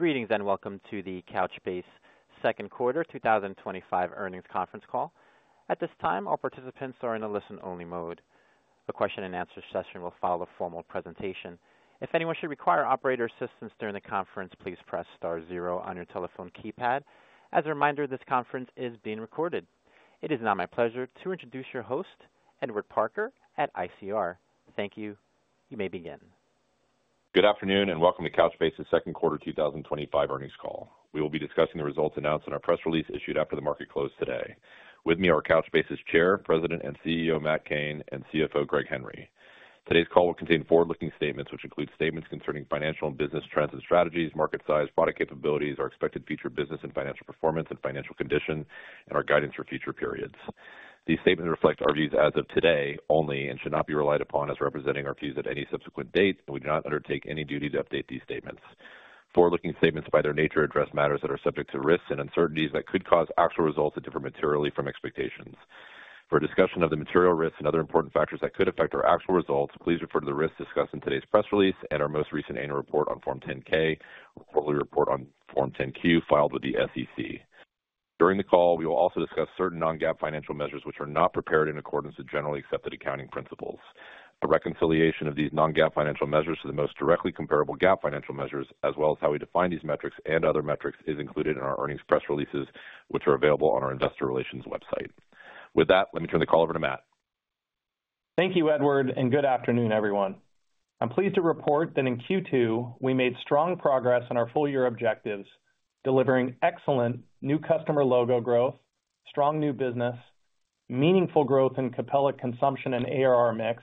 ...Greetings, and welcome to the Couchbase second quarter two thousand and twenty-five earnings conference call. At this time, all participants are in a listen-only mode. The question and answer session will follow the formal presentation. If anyone should require operator assistance during the conference, please press star zero on your telephone keypad. As a reminder, this conference is being recorded. It is now my pleasure to introduce your host, Edward Parker at ICR. Thank you. You may begin. Good afternoon, and welcome to Couchbase's second quarter two thousand and twenty-five earnings call. We will be discussing the results announced in our press release, issued after the market closed today. With me are Couchbase's Chair, President, and CEO, Matt Cain, and CFO, Greg Henry. Today's call will contain forward-looking statements, which include statements concerning financial and business trends and strategies, market size, product capabilities, our expected future business and financial performance and financial condition, and our guidance for future periods. These statements reflect our views as of today only and should not be relied upon as representing our views at any subsequent date, and we do not undertake any duty to update these statements. Forward-looking statements, by their nature, address matters that are subject to risks and uncertainties that could cause actual results to differ materially from expectations. For a discussion of the material risks and other important factors that could affect our actual results, please refer to the risks discussed in today's press release and our most recent annual report on Form 10-K, quarterly report on Form 10-Q filed with the SEC. During the call, we will also discuss certain non-GAAP financial measures, which are not prepared in accordance with generally accepted accounting principles. A reconciliation of these non-GAAP financial measures to the most directly comparable GAAP financial measures, as well as how we define these metrics and other metrics, is included in our earnings press releases, which are available on our investor relations website. With that, let me turn the call over to Matt. Thank you, Edward, and good afternoon, everyone. I'm pleased to report that in Q2, we made strong progress on our full-year objectives, delivering excellent new customer logo growth, strong new business, meaningful growth in Capella consumption and ARR mix,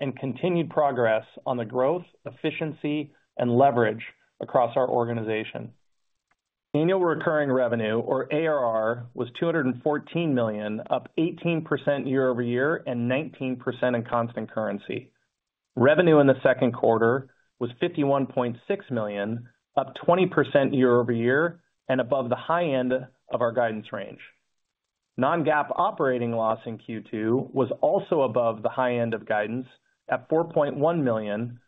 and continued progress on the growth, efficiency, and leverage across our organization. Annual recurring revenue, or ARR, was $214 million, up 18% year over year and 19% in constant currency. Revenue in the second quarter was $51.6 million, up 20% year over year and above the high end of our guidance range. Non-GAAP operating loss in Q2 was also above the high end of guidance at $4.1 million,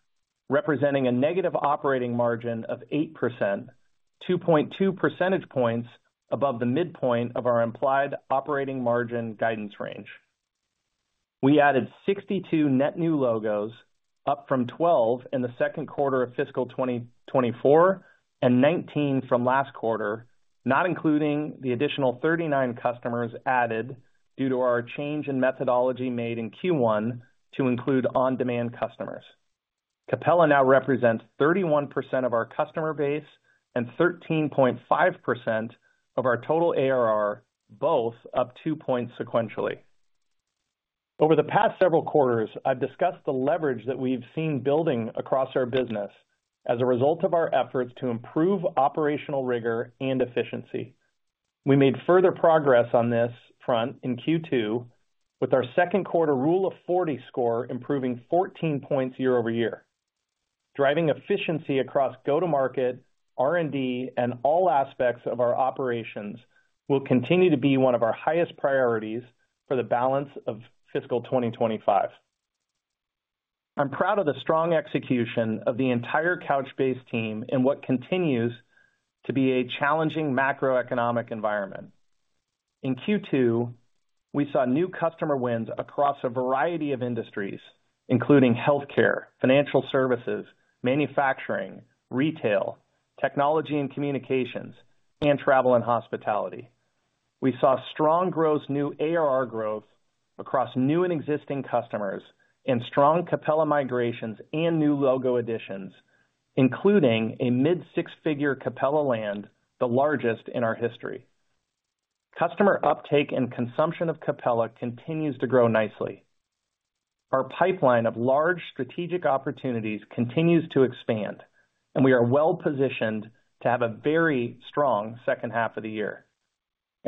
representing a negative operating margin of 8%, 2.2 percentage points above the midpoint of our implied operating margin guidance range. We added 62 net new logos, up from 12 in the second quarter of fiscal 2024 and 19 from last quarter, not including the additional 39 customers added due to our change in methodology made in Q1 to include on-demand customers. Capella now represents 31% of our customer base and 13.5% of our total ARR, both up two points sequentially. Over the past several quarters, I've discussed the leverage that we've seen building across our business as a result of our efforts to improve operational rigor and efficiency. We made further progress on this front in Q2, with our second quarter Rule of 40 score improving 14 points year over year. Driving efficiency across go-to-market, R&D, and all aspects of our operations will continue to be one of our highest priorities for the balance of fiscal 2025. I'm proud of the strong execution of the entire Couchbase team in what continues to be a challenging macroeconomic environment. In Q2, we saw new customer wins across a variety of industries, including healthcare, financial services, manufacturing, retail, technology and communications, and travel and hospitality. We saw strong gross new ARR growth across new and existing customers and strong Capella migrations and new logo additions, including a mid-six-figure Capella land, the largest in our history. Customer uptake and consumption of Capella continues to grow nicely. Our pipeline of large strategic opportunities continues to expand, and we are well-positioned to have a very strong second half of the year,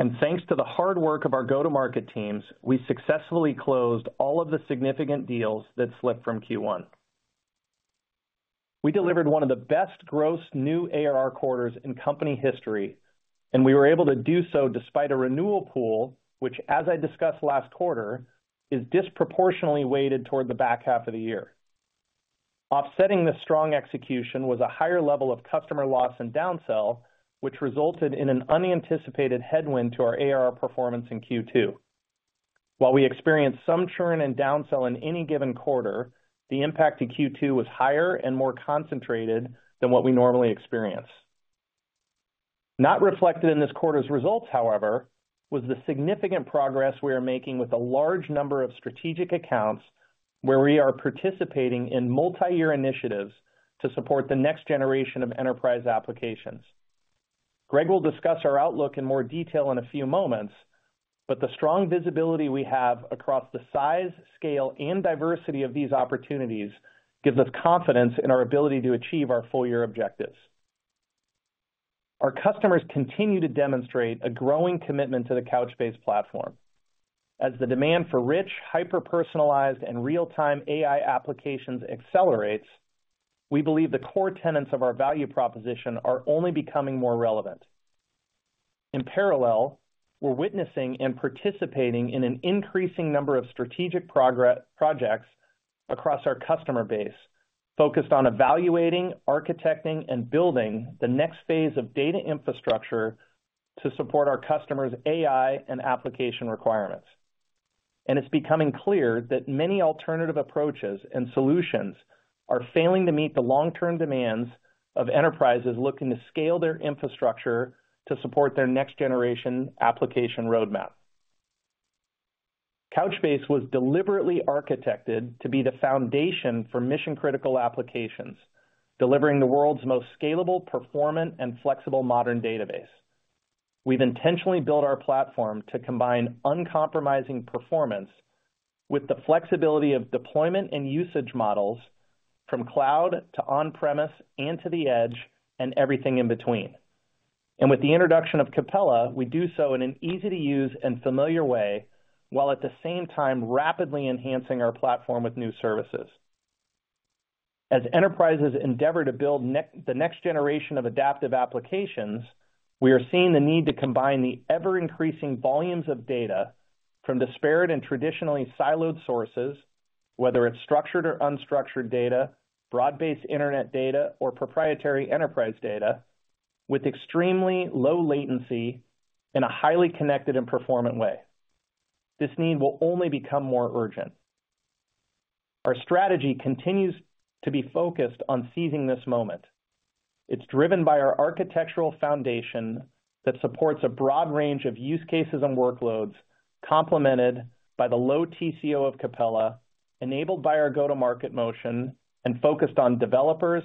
and thanks to the hard work of our go-to-market teams, we successfully closed all of the significant deals that slipped from Q1. We delivered one of the best gross new ARR quarters in company history, and we were able to do so despite a renewal pool, which, as I discussed last quarter, is disproportionately weighted toward the back half of the year. Offsetting this strong execution was a higher level of customer loss and downsell, which resulted in an unanticipated headwind to our ARR performance in Q2. While we experienced some churn and downsell in any given quarter, the impact to Q2 was higher and more concentrated than what we normally experience. Not reflected in this quarter's results, however, was the significant progress we are making with a large number of strategic accounts where we are participating in multi-year initiatives to support the next generation of enterprise applications. Greg will discuss our outlook in more detail in a few moments, but the strong visibility we have across the size, scale, and diversity of these opportunities gives us confidence in our ability to achieve our full-year objectives. Our customers continue to demonstrate a growing commitment to the Couchbase platform. As the demand for rich, hyper-personalized, and real-time AI applications accelerates, we believe the core tenets of our value proposition are only becoming more relevant. In parallel, we're witnessing and participating in an increasing number of strategic projects across our customer base, focused on evaluating, architecting, and building the next phase of data infrastructure to support our customers' AI and application requirements. And it's becoming clear that many alternative approaches and solutions are failing to meet the long-term demands of enterprises looking to scale their infrastructure to support their next-generation application roadmap. Couchbase was deliberately architected to be the foundation for mission-critical applications, delivering the world's most scalable, performant, and flexible modern database. We've intentionally built our platform to combine uncompromising performance with the flexibility of deployment and usage models from cloud to on-premise and to the edge, and everything in between. And with the introduction of Capella, we do so in an easy-to-use and familiar way, while at the same time rapidly enhancing our platform with new services. As enterprises endeavor to build the next generation of adaptive applications, we are seeing the need to combine the ever-increasing volumes of data from disparate and traditionally siloed sources, whether it's structured or unstructured data, broad-based internet data, or proprietary enterprise data, with extremely low latency in a highly connected and performant way. This need will only become more urgent. Our strategy continues to be focused on seizing this moment. It's driven by our architectural foundation that supports a broad range of use cases and workloads, complemented by the low TCO of Capella, enabled by our go-to-market motion, and focused on developers,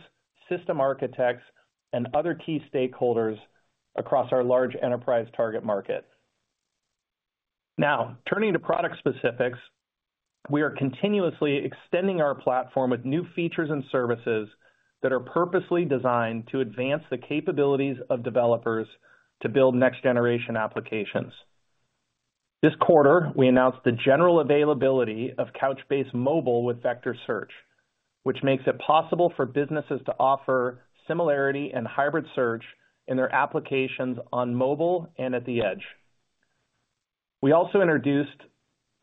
system architects, and other key stakeholders across our large enterprise target market. Now, turning to product specifics, we are continuously extending our platform with new features and services that are purposely designed to advance the capabilities of developers to build next-generation applications. This quarter, we announced the general availability of Couchbase Mobile with Vector Search, which makes it possible for businesses to offer similarity and hybrid search in their applications on mobile and at the edge. We also introduced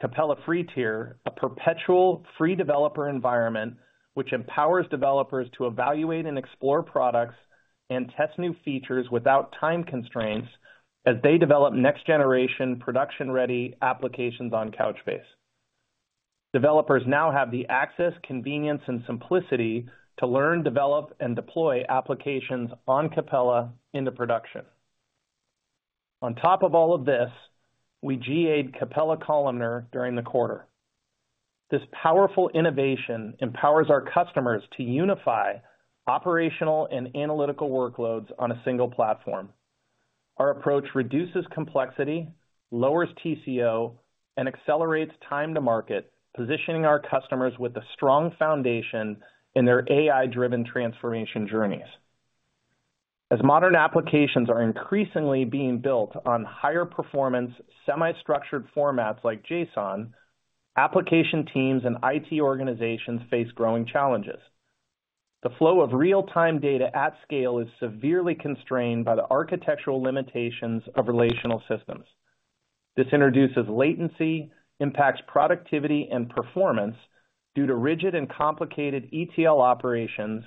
Capella Free Tier, a perpetual free developer environment, which empowers developers to evaluate and explore products and test new features without time constraints as they develop next-generation, production-ready applications on Couchbase. Developers now have the access, convenience, and simplicity to learn, develop, and deploy applications on Capella into production. On top of all of this, we GA'd Capella Columnar during the quarter. This powerful innovation empowers our customers to unify operational and analytical workloads on a single platform. Our approach reduces complexity, lowers TCO, and accelerates time to market, positioning our customers with a strong foundation in their AI-driven transformation journeys. As modern applications are increasingly being built on higher performance, semi-structured formats like JSON, application teams and IT organizations face growing challenges. The flow of real-time data at scale is severely constrained by the architectural limitations of relational systems. This introduces latency, impacts productivity and performance due to rigid and complicated ETL operations,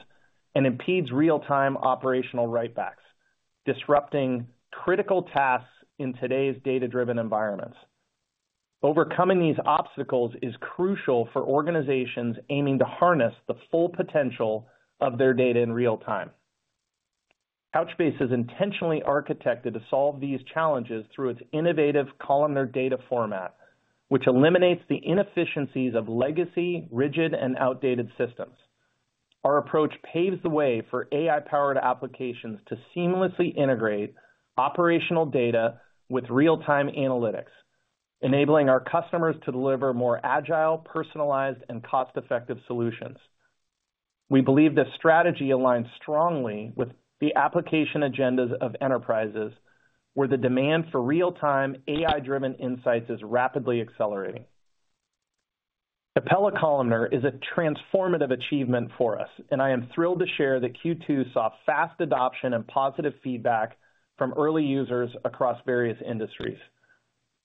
and impedes real-time operational write backs, disrupting critical tasks in today's data-driven environments. Overcoming these obstacles is crucial for organizations aiming to harness the full potential of their data in real time. Couchbase is intentionally architected to solve these challenges through its innovative columnar data format, which eliminates the inefficiencies of legacy, rigid, and outdated systems. Our approach paves the way for AI-powered applications to seamlessly integrate operational data with real-time analytics, enabling our customers to deliver more agile, personalized, and cost-effective solutions. We believe this strategy aligns strongly with the application agendas of enterprises, where the demand for real-time, AI-driven insights is rapidly accelerating. Capella Columnar is a transformative achievement for us, and I am thrilled to share that Q2 saw fast adoption and positive feedback from early users across various industries.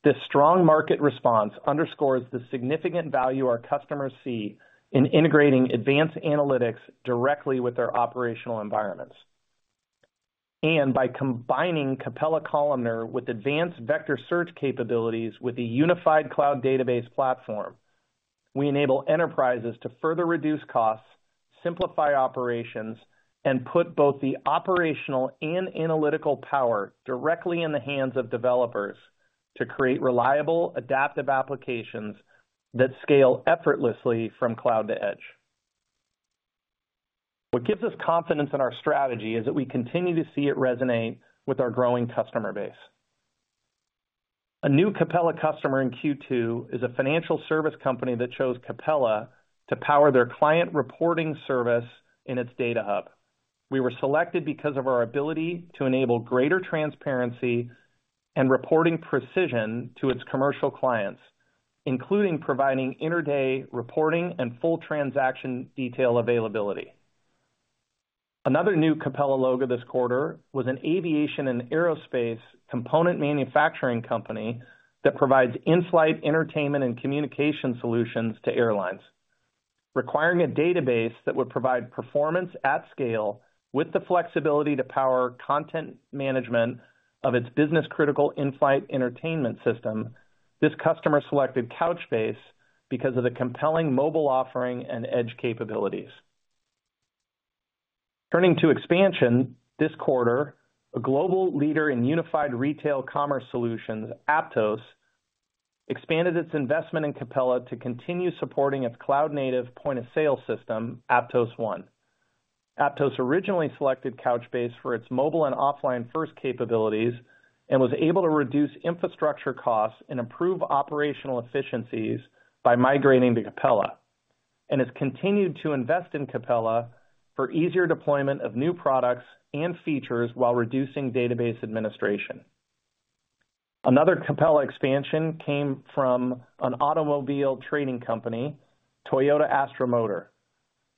This strong market response underscores the significant value our customers see in integrating advanced analytics directly with their operational environments. By combining Capella Columnar with advanced vector search capabilities with a unified cloud database platform, we enable enterprises to further reduce costs, simplify operations, and put both the operational and analytical power directly in the hands of developers to create reliable, adaptive applications that scale effortlessly from cloud to edge. What gives us confidence in our strategy is that we continue to see it resonate with our growing customer base. A new Capella customer in Q2 is a financial service company that chose Capella to power their client reporting service in its data hub. We were selected because of our ability to enable greater transparency and reporting precision to its commercial clients, including providing intra-day reporting and full transaction detail availability... Another new Capella logo this quarter was an aviation and aerospace component manufacturing company that provides in-flight entertainment and communication solutions to airlines. Requiring a database that would provide performance at scale with the flexibility to power content management of its business-critical in-flight entertainment system, this customer selected Couchbase because of the compelling mobile offering and edge capabilities. Turning to expansion, this quarter, a global leader in unified retail commerce solutions, Aptos, expanded its investment in Capella to continue supporting its cloud-native point-of-sale system, Aptos One. Aptos originally selected Couchbase for its mobile and offline-first capabilities, and was able to reduce infrastructure costs and improve operational efficiencies by migrating to Capella, and has continued to invest in Capella for easier deployment of new products and features while reducing database administration. Another Capella expansion came from an automobile trading company, Toyota Astra Motor.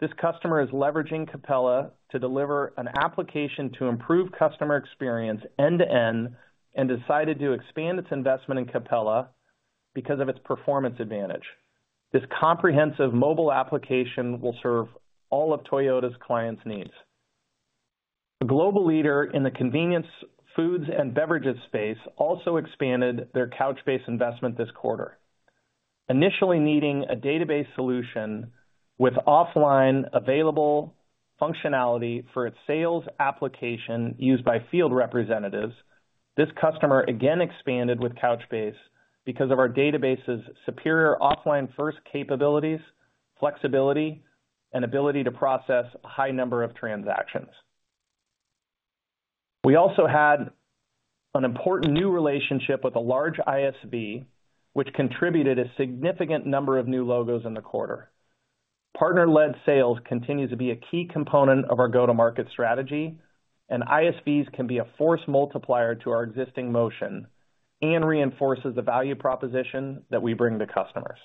This customer is leveraging Capella to deliver an application to improve customer experience end-to-end, and decided to expand its investment in Capella because of its performance advantage. This comprehensive mobile application will serve all of Toyota's clients' needs. A global leader in the convenience foods and beverages space also expanded their Couchbase investment this quarter. Initially needing a database solution with offline available functionality for its sales application used by field representatives, this customer again expanded with Couchbase because of our database's superior offline-first capabilities, flexibility, and ability to process a high number of transactions. We also had an important new relationship with a large ISV, which contributed a significant number of new logos in the quarter. Partner-led sales continues to be a key component of our go-to-market strategy, and ISVs can be a force multiplier to our existing motion and reinforces the value proposition that we bring to customers.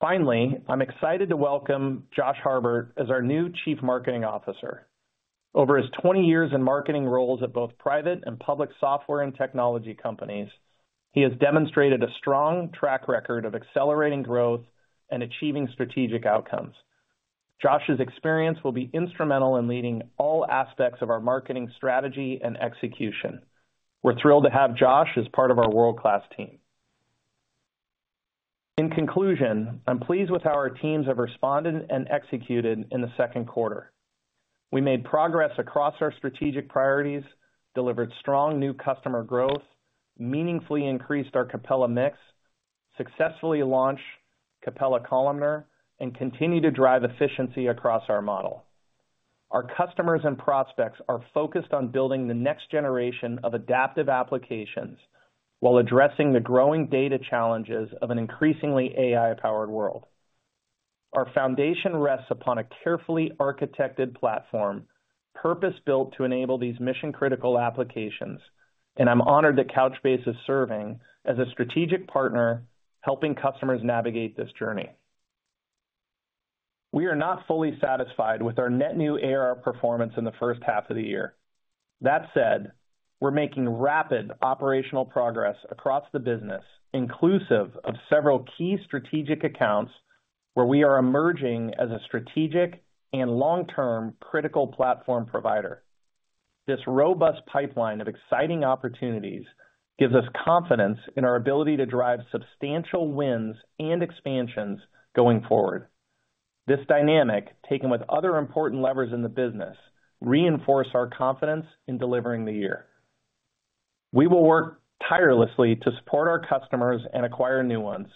Finally, I'm excited to welcome Josh Harbert as our new Chief Marketing Officer. Over his twenty years in marketing roles at both private and public software and technology companies, he has demonstrated a strong track record of accelerating growth and achieving strategic outcomes. Josh's experience will be instrumental in leading all aspects of our marketing strategy and execution. We're thrilled to have Josh as part of our world-class team. In conclusion, I'm pleased with how our teams have responded and executed in the second quarter. We made progress across our strategic priorities, delivered strong new customer growth, meaningfully increased our Capella mix, successfully launched Capella Columnar, and continued to drive efficiency across our model. Our customers and prospects are focused on building the next generation of adaptive applications while addressing the growing data challenges of an increasingly AI-powered world. Our foundation rests upon a carefully architected platform, purpose-built to enable these mission-critical applications, and I'm honored that Couchbase is serving as a strategic partner, helping customers navigate this journey. We are not fully satisfied with our net new ARR performance in the first half of the year. That said, we're making rapid operational progress across the business, inclusive of several key strategic accounts, where we are emerging as a strategic and long-term critical platform provider. This robust pipeline of exciting opportunities gives us confidence in our ability to drive substantial wins and expansions going forward. This dynamic, taken with other important levers in the business, reinforce our confidence in delivering the year. We will work tirelessly to support our customers and acquire new ones,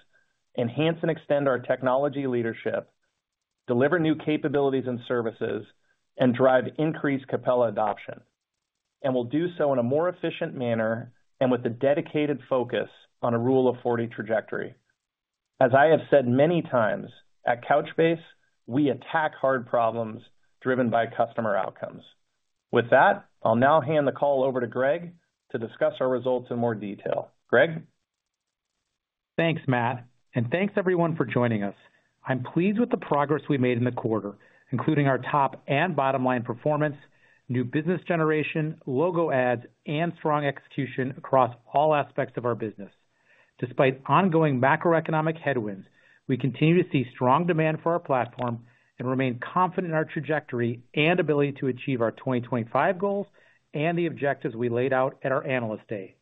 enhance and extend our technology leadership, deliver new capabilities and services, and drive increased Capella adoption, and we'll do so in a more efficient manner and with a dedicated focus on a Rule of 40 trajectory. As I have said many times, at Couchbase, we attack hard problems driven by customer outcomes. With that, I'll now hand the call over to Greg to discuss our results in more detail. Greg? Thanks, Matt, and thanks everyone for joining us. I'm pleased with the progress we made in the quarter, including our top and bottom line performance, new business generation, logo adds, and strong execution across all aspects of our business. Despite ongoing macroeconomic headwinds, we continue to see strong demand for our platform and remain confident in our trajectory and ability to achieve our 2025 goals and the objectives we laid out at our Analyst Day.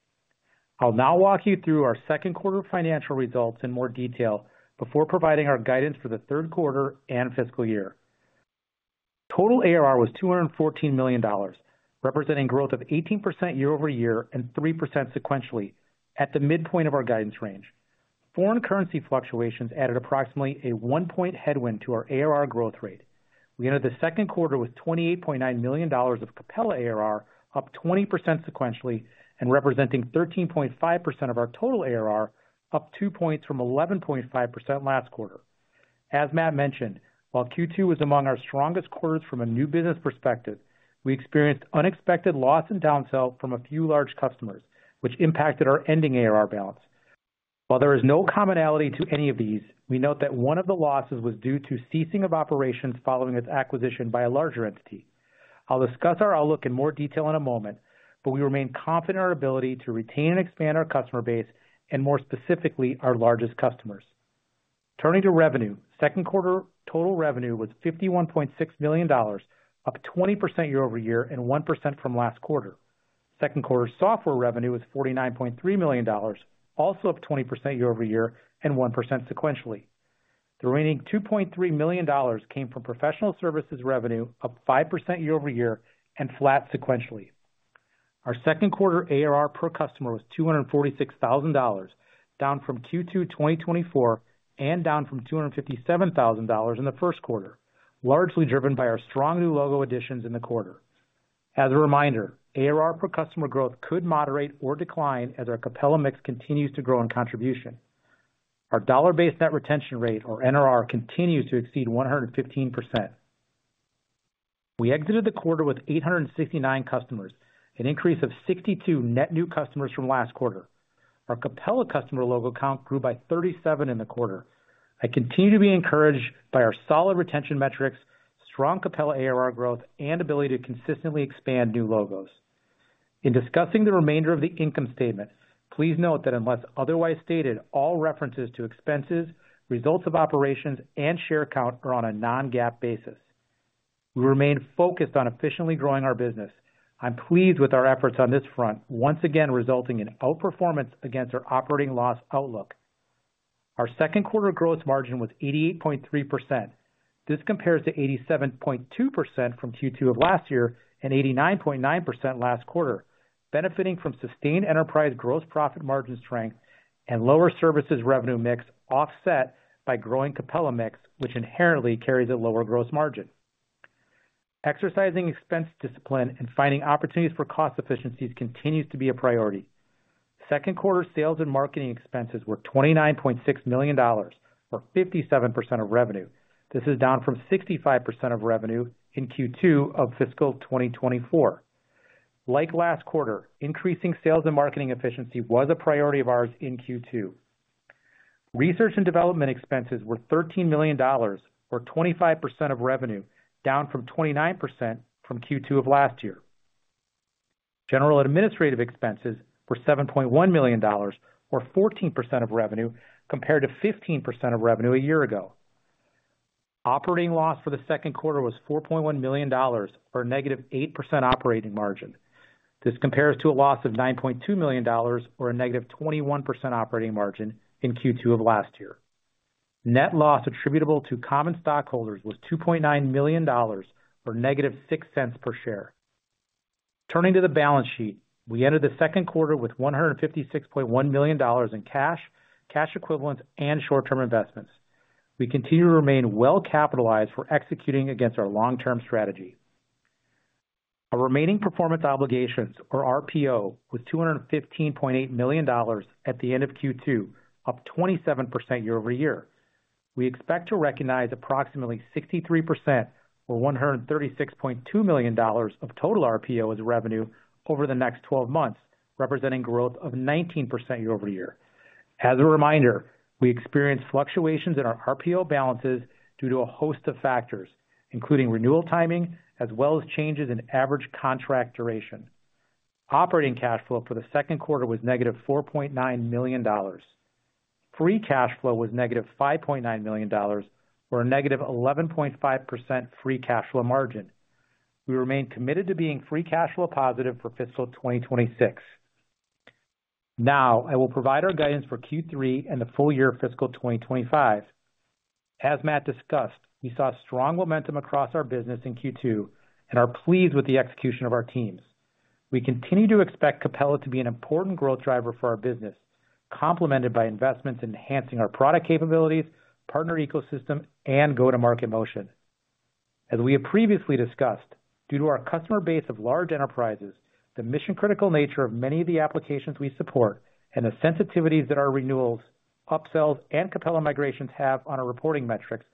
I'll now walk you through our second quarter financial results in more detail before providing our guidance for the third quarter and fiscal year. Total ARR was $214 million, representing growth of 18% year over year and 3% sequentially at the midpoint of our guidance range. Foreign currency fluctuations added approximately a 1-point headwind to our ARR growth rate. We ended the second quarter with $28.9 million of Capella ARR, up 20% sequentially and representing 13.5% of our total ARR, up 2 points from 11.5% last quarter. As Matt mentioned, while Q2 was among our strongest quarters from a new business perspective, we experienced unexpected loss and downsell from a few large customers, which impacted our ending ARR balance. While there is no commonality to any of these, we note that one of the losses was due to ceasing of operations following its acquisition by a larger entity. I'll discuss our outlook in more detail in a moment, but we remain confident in our ability to retain and expand our customer base, and more specifically, our largest customers. Turning to revenue, second quarter total revenue was $51.6 million, up 20% year over year and 1% from last quarter. Second quarter software revenue was $49.3 million, also up 20% year over year and 1% sequentially. The remaining $2.3 million came from professional services revenue, up 5% year over year and flat sequentially. Our second quarter ARR per customer was $246,000, down from Q2 2024 and down from $257,000 in the first quarter, largely driven by our strong new logo additions in the quarter. As a reminder, ARR per customer growth could moderate or decline as our Capella mix continues to grow in contribution. Our dollar-based net retention rate, or NRR, continues to exceed 115%. We exited the quarter with 869 customers, an increase of 62 net new customers from last quarter. Our Capella customer logo count grew by 37 in the quarter. I continue to be encouraged by our solid retention metrics, strong Capella ARR growth, and ability to consistently expand new logos. In discussing the remainder of the income statement, please note that unless otherwise stated, all references to expenses, results of operations, and share count are on a non-GAAP basis. We remain focused on efficiently growing our business. I'm pleased with our efforts on this front, once again resulting in outperformance against our operating loss outlook. Our second quarter gross margin was 88.3%. This compares to 87.2% from Q2 of last year and 89.9% last quarter, benefiting from sustained enterprise gross profit margin strength and lower services revenue mix, offset by growing Capella mix, which inherently carries a lower gross margin. Exercising expense discipline and finding opportunities for cost efficiencies continues to be a priority. Second quarter sales and marketing expenses were $29.6 million, or 57% of revenue. This is down from 65% of revenue in Q2 of fiscal 2024. Like last quarter, increasing sales and marketing efficiency was a priority of ours in Q2. Research and development expenses were $13 million, or 25% of revenue, down from 29% from Q2 of last year. General and administrative expenses were $7.1 million, or 14% of revenue, compared to 15% of revenue a year ago. Operating loss for the second quarter was $4.1 million, or negative 8% operating margin. This compares to a loss of $9.2 million or a negative 21% operating margin in Q2 of last year. Net loss attributable to common stockholders was $2.9 million, or negative $0.06 per share. Turning to the balance sheet, we entered the second quarter with $156.1 million in cash, cash equivalents, and short-term investments. We continue to remain well-capitalized for executing against our long-term strategy. Our remaining performance obligations, or RPO, was $215.8 million at the end of Q2, up 27% year over year. We expect to recognize approximately 63%, or $136.2 million of total RPO as revenue over the next twelve months, representing growth of 19% year over year. As a reminder, we experienced fluctuations in our RPO balances due to a host of factors, including renewal timing, as well as changes in average contract duration. Operating cash flow for the second quarter was negative $4.9 million. Free cash flow was negative $5.9 million, or a negative 11.5% free cash flow margin. We remain committed to being free cash flow positive for fiscal 2026. Now, I will provide our guidance for Q3 and the full year of fiscal 2025. As Matt discussed, we saw strong momentum across our business in Q2 and are pleased with the execution of our teams. We continue to expect Capella to be an important growth driver for our business, complemented by investments enhancing our product capabilities, partner ecosystem, and go-to-market motion. As we have previously discussed, due to our customer base of large enterprises, the mission-critical nature of many of the applications we support, and the sensitivities that our renewals, upsells, and Capella migrations have on our reporting metrics,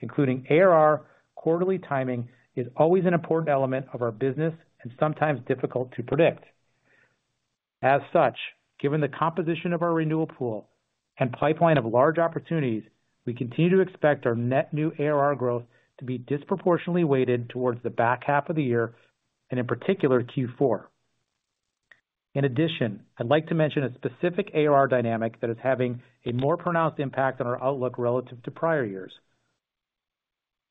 including ARR. Quarterly timing is always an important element of our business and sometimes difficult to predict. As such, given the composition of our renewal pool and pipeline of large opportunities, we continue to expect our net new ARR growth to be disproportionately weighted towards the back half of the year, and in particular, Q4. In addition, I'd like to mention a specific ARR dynamic that is having a more pronounced impact on our outlook relative to prior years.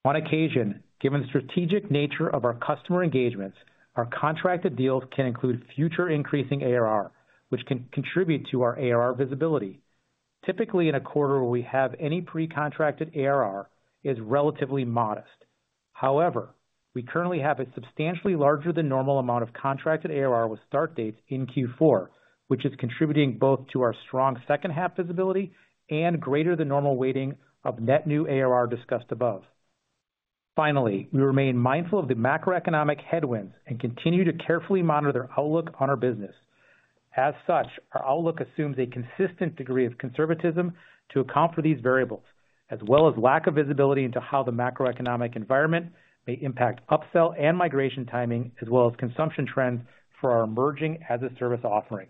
On occasion, given the strategic nature of our customer engagements, our contracted deals can include future increasing ARR, which can contribute to our ARR visibility. Typically, in a quarter where we have any pre-contracted ARR, is relatively modest. However, we currently have a substantially larger than normal amount of contracted ARR with start dates in Q4, which is contributing both to our strong second half visibility and greater than normal weighting of net new ARR discussed above. Finally, we remain mindful of the macroeconomic headwinds and continue to carefully monitor their outlook on our business. As such, our outlook assumes a consistent degree of conservatism to account for these variables, as well as lack of visibility into how the macroeconomic environment may impact upsell and migration timing, as well as consumption trends for our emerging as-a-service offering.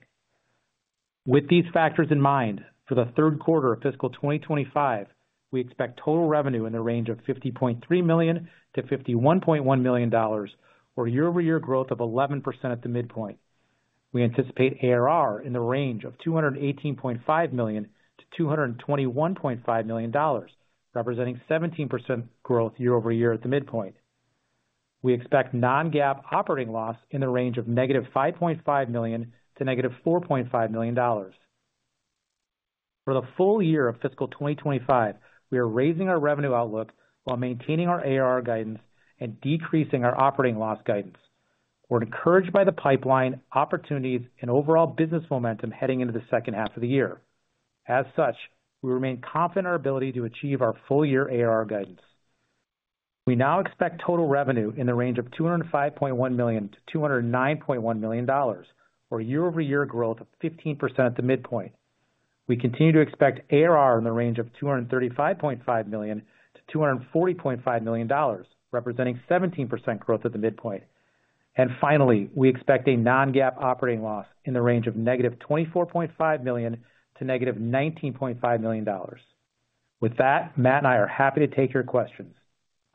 With these factors in mind, for the third quarter of fiscal 2025, we expect total revenue in the range of $50.3 million-$51.1 million, or year-over-year growth of 11% at the midpoint. We anticipate ARR in the range of $218.5 million-$221.5 million, representing 17% growth year over year at the midpoint. We expect non-GAAP operating loss in the range of negative $5.5 million to negative $4.5 million. For the full year of fiscal 2025, we are raising our revenue outlook while maintaining our ARR guidance and decreasing our operating loss guidance. We're encouraged by the pipeline opportunities and overall business momentum heading into the second half of the year. As such, we remain confident in our ability to achieve our full year ARR guidance. We now expect total revenue in the range of $205.1 million-$209.1 million, or year-over-year growth of 15% at the midpoint. We continue to expect ARR in the range of $235.5 million-$240.5 million, representing 17% growth at the midpoint. And finally, we expect a non-GAAP operating loss in the range of -$24.5 million to -$19.5 million. With that, Matt and I are happy to take your questions.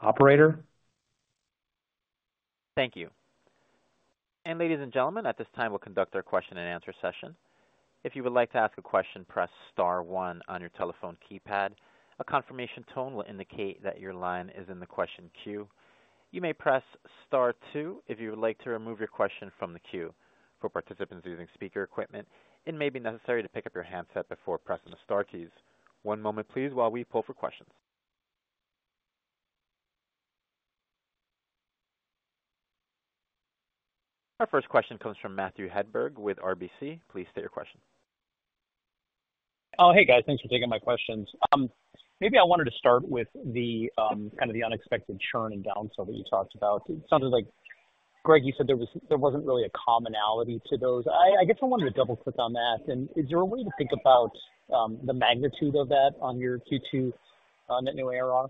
Operator? Thank you. And ladies and gentlemen, at this time, we'll conduct our question-and-answer session. If you would like to ask a question, press star one on your telephone keypad. A confirmation tone will indicate that your line is in the question queue. You may press star two if you would like to remove your question from the queue. For participants using speaker equipment, it may be necessary to pick up your handset before pressing the star keys. One moment, please, while we pull for questions. Our first question comes from Matthew Hedberg with RBC. Please state your question. Oh, hey, guys. Thanks for taking my questions. Maybe I wanted to start with the kind of the unexpected churn and downsell that you talked about. It sounded like, Greg, you said there was, there wasn't really a commonality to those. I guess I wanted to double-click on that. And is there a way to think about the magnitude of that on your Q2 on net new ARR?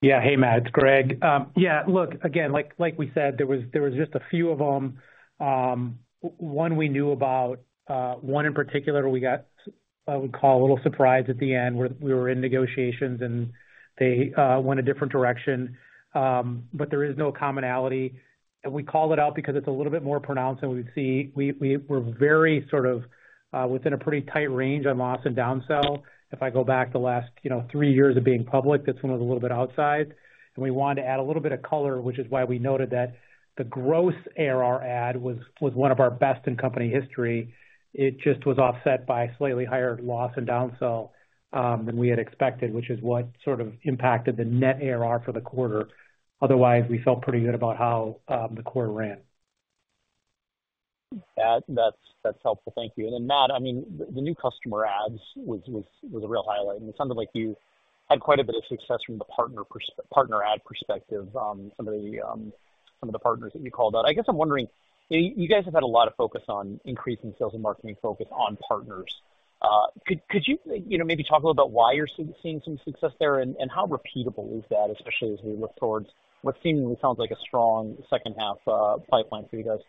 Yeah. Hey, Matt, it's Greg. Yeah, look, again, like we said, there was just a few of them. One we knew about, one in particular, we got, I would call a little surprised at the end, where we were in negotiations and they went a different direction. But there is no commonality. And we called it out because it's a little bit more pronounced than we've seen. We're very sort of within a pretty tight range on loss and downsell. If I go back the last, you know, three years of being public, this one was a little bit outside, and we wanted to add a little bit of color, which is why we noted that the gross ARR add was one of our best in company history. It just was offset by slightly higher loss and downsell than we had expected, which is what sort of impacted the net ARR for the quarter. Otherwise, we felt pretty good about how the quarter ran. That's helpful. Thank you. And then, Matt, I mean, the new customer adds was a real highlight. It sounded like you had quite a bit of success from the partner perspective on some of the partners that you called out. I guess I'm wondering, you guys have had a lot of focus on increasing sales and marketing focus on partners. Could you, you know, maybe talk a little about why you're seeing some success there and how repeatable is that, especially as we look towards what seemingly sounds like a strong second-half pipeline for you guys?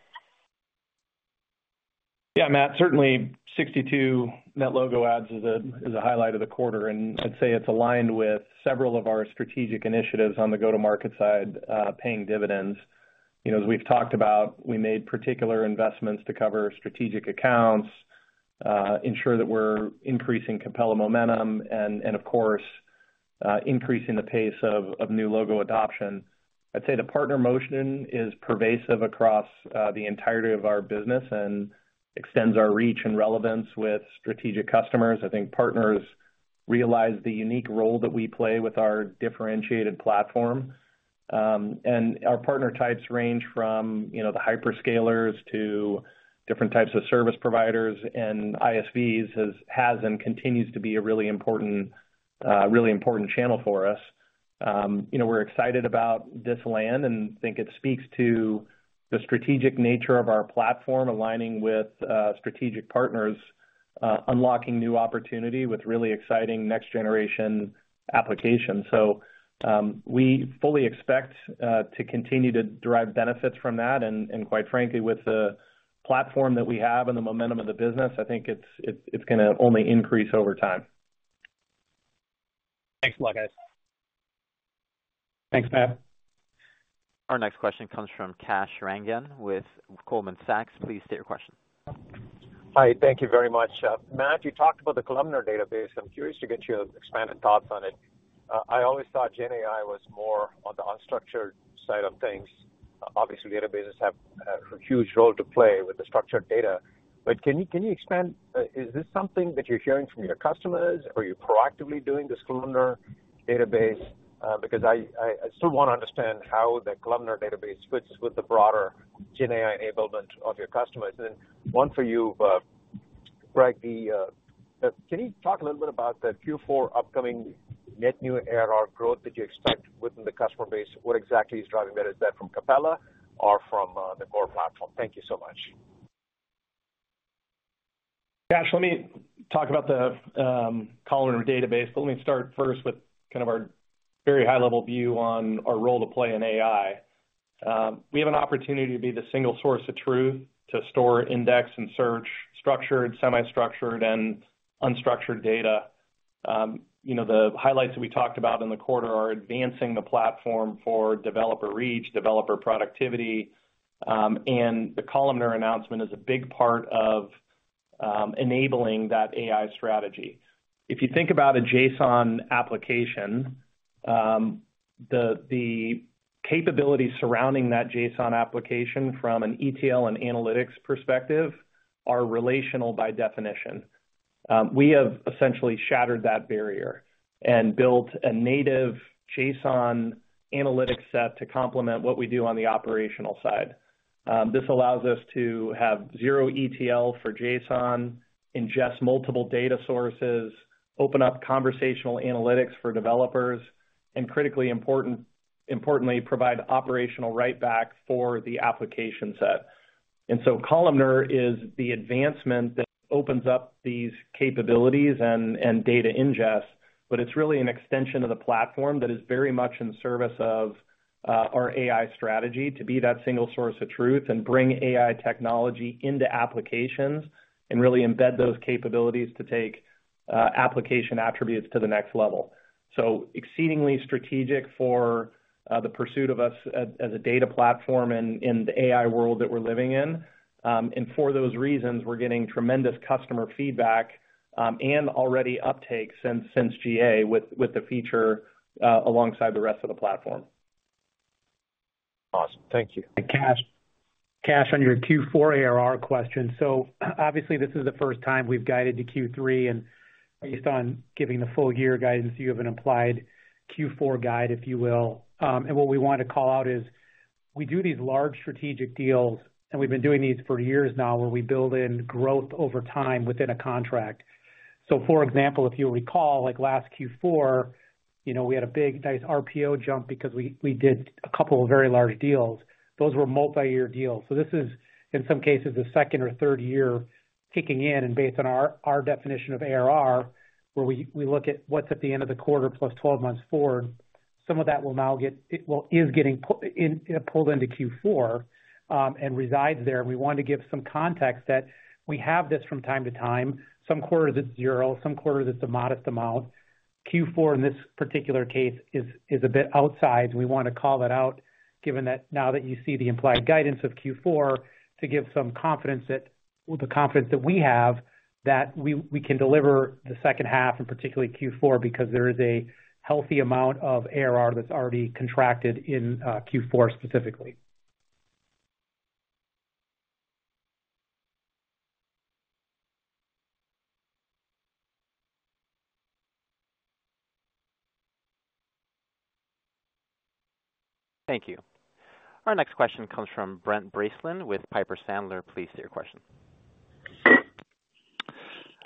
Yeah, Matt, certainly 62 net logo adds is a highlight of the quarter, and I'd say it's aligned with several of our strategic initiatives on the go-to-market side, paying dividends. You know, as we've talked about, we made particular investments to cover strategic accounts, ensure that we're increasing Capella momentum and, of course, increasing the pace of new logo adoption. I'd say the partner motion is pervasive across the entirety of our business and extends our reach and relevance with strategic customers. I think partners realize the unique role that we play with our differentiated platform. And our partner types range from, you know, the hyperscalers to different types of service providers, and ISVs has and continues to be a really important channel for us. You know, we're excited about this land and think it speaks to the strategic nature of our platform, aligning with strategic partners, unlocking new opportunity with really exciting next-generation applications, so we fully expect to continue to derive benefits from that, and quite frankly, with the platform that we have and the momentum of the business, I think it's gonna only increase over time. Thanks a lot, guys. Thanks, Matt. Our next question comes from Kash Rangan with Goldman Sachs. Please state your question. Hi, thank you very much. Matt, you talked about the columnar database. I'm curious to get your expanded thoughts on it. I always thought GenAI was more on the unstructured side of things. Obviously, databases have a huge role to play with the structured data, but can you expand? Is this something that you're hearing from your customers, or are you proactively doing this columnar database? Because I still want to understand how the columnar database fits with the broader GenAI enablement of your customers. One for you, Greg, can you talk a little bit about the Q4 upcoming net new ARR growth that you expect within the customer base? What exactly is driving that? Is that from Capella or from the core platform? Thank you so much. Kash, let me talk about the columnar database, but let me start first with kind of our very high-level view on our role to play in AI. We have an opportunity to be the single source of truth, to store, index, and search structured, semi-structured, and unstructured data. You know, the highlights that we talked about in the quarter are advancing the platform for developer reach, developer productivity, and the columnar announcement is a big part of enabling that AI strategy. If you think about a JSON application, the capabilities surrounding that JSON application from an ETL and analytics perspective are relational by definition. We have essentially shattered that barrier and built a native JSON analytics set to complement what we do on the operational side. This allows us to have zero ETL for JSON, ingest multiple data sources, open up conversational analytics for developers, and critically importantly, provide operational write back for the application set, so columnar is the advancement that opens up these capabilities and data ingest, but it's really an extension of the platform that is very much in service of our AI strategy to be that single source of truth and bring AI technology into applications, and really embed those capabilities to take application attributes to the next level, exceedingly strategic for the pursuit of us as a data platform in the AI world that we're living in, and for those reasons, we're getting tremendous customer feedback, and already uptake since GA, with the feature, alongside the rest of the platform. Awesome. Thank you. Kash, on your Q4 ARR question. So obviously, this is the first time we've guided to Q3, and based on giving the full year guidance, you have an implied Q4 guide, if you will. And what we want to call out is, we do these large strategic deals, and we've been doing these for years now, where we build in growth over time within a contract. So for example, if you recall, like last Q4, you know, we had a big, nice RPO jump because we did a couple of very large deals. Those were multi-year deals. So this is, in some cases, the second or third year kicking in, and based on our definition of ARR, where we look at what's at the end of the quarter plus twelve months forward, some of that will now get... is getting pulled into Q4, and resides there. We want to give some context that we have this from time to time. Some quarters, it's zero, some quarters, it's a modest amount. Q4, in this particular case, is a bit outside. We wanna call that out, given that now that you see the implied guidance of Q4, to give some confidence that with the confidence that we have, that we can deliver the second half, and particularly Q4, because there is a healthy amount of ARR that's already contracted in, Q4, specifically. Thank you. Our next question comes from Brent Bracelin with Piper Sandler. Please state your question.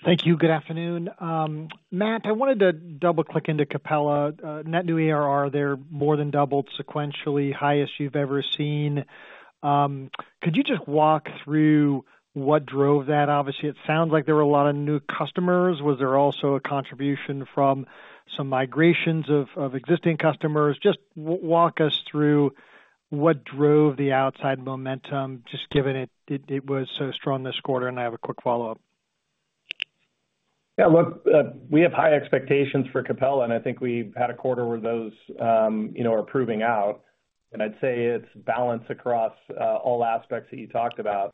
Thank you. Good afternoon. Matt, I wanted to double-click into Capella. Net new ARR there more than doubled sequentially, highest you've ever seen. Could you just walk through what drove that? Obviously, it sounds like there were a lot of new customers. Was there also a contribution from some migrations of existing customers? Just walk us through what drove the upside momentum, just given it was so strong this quarter, and I have a quick follow-up. Yeah, look, we have high expectations for Capella, and I think we've had a quarter where those, you know, are proving out, and I'd say it's balanced across all aspects that you talked about.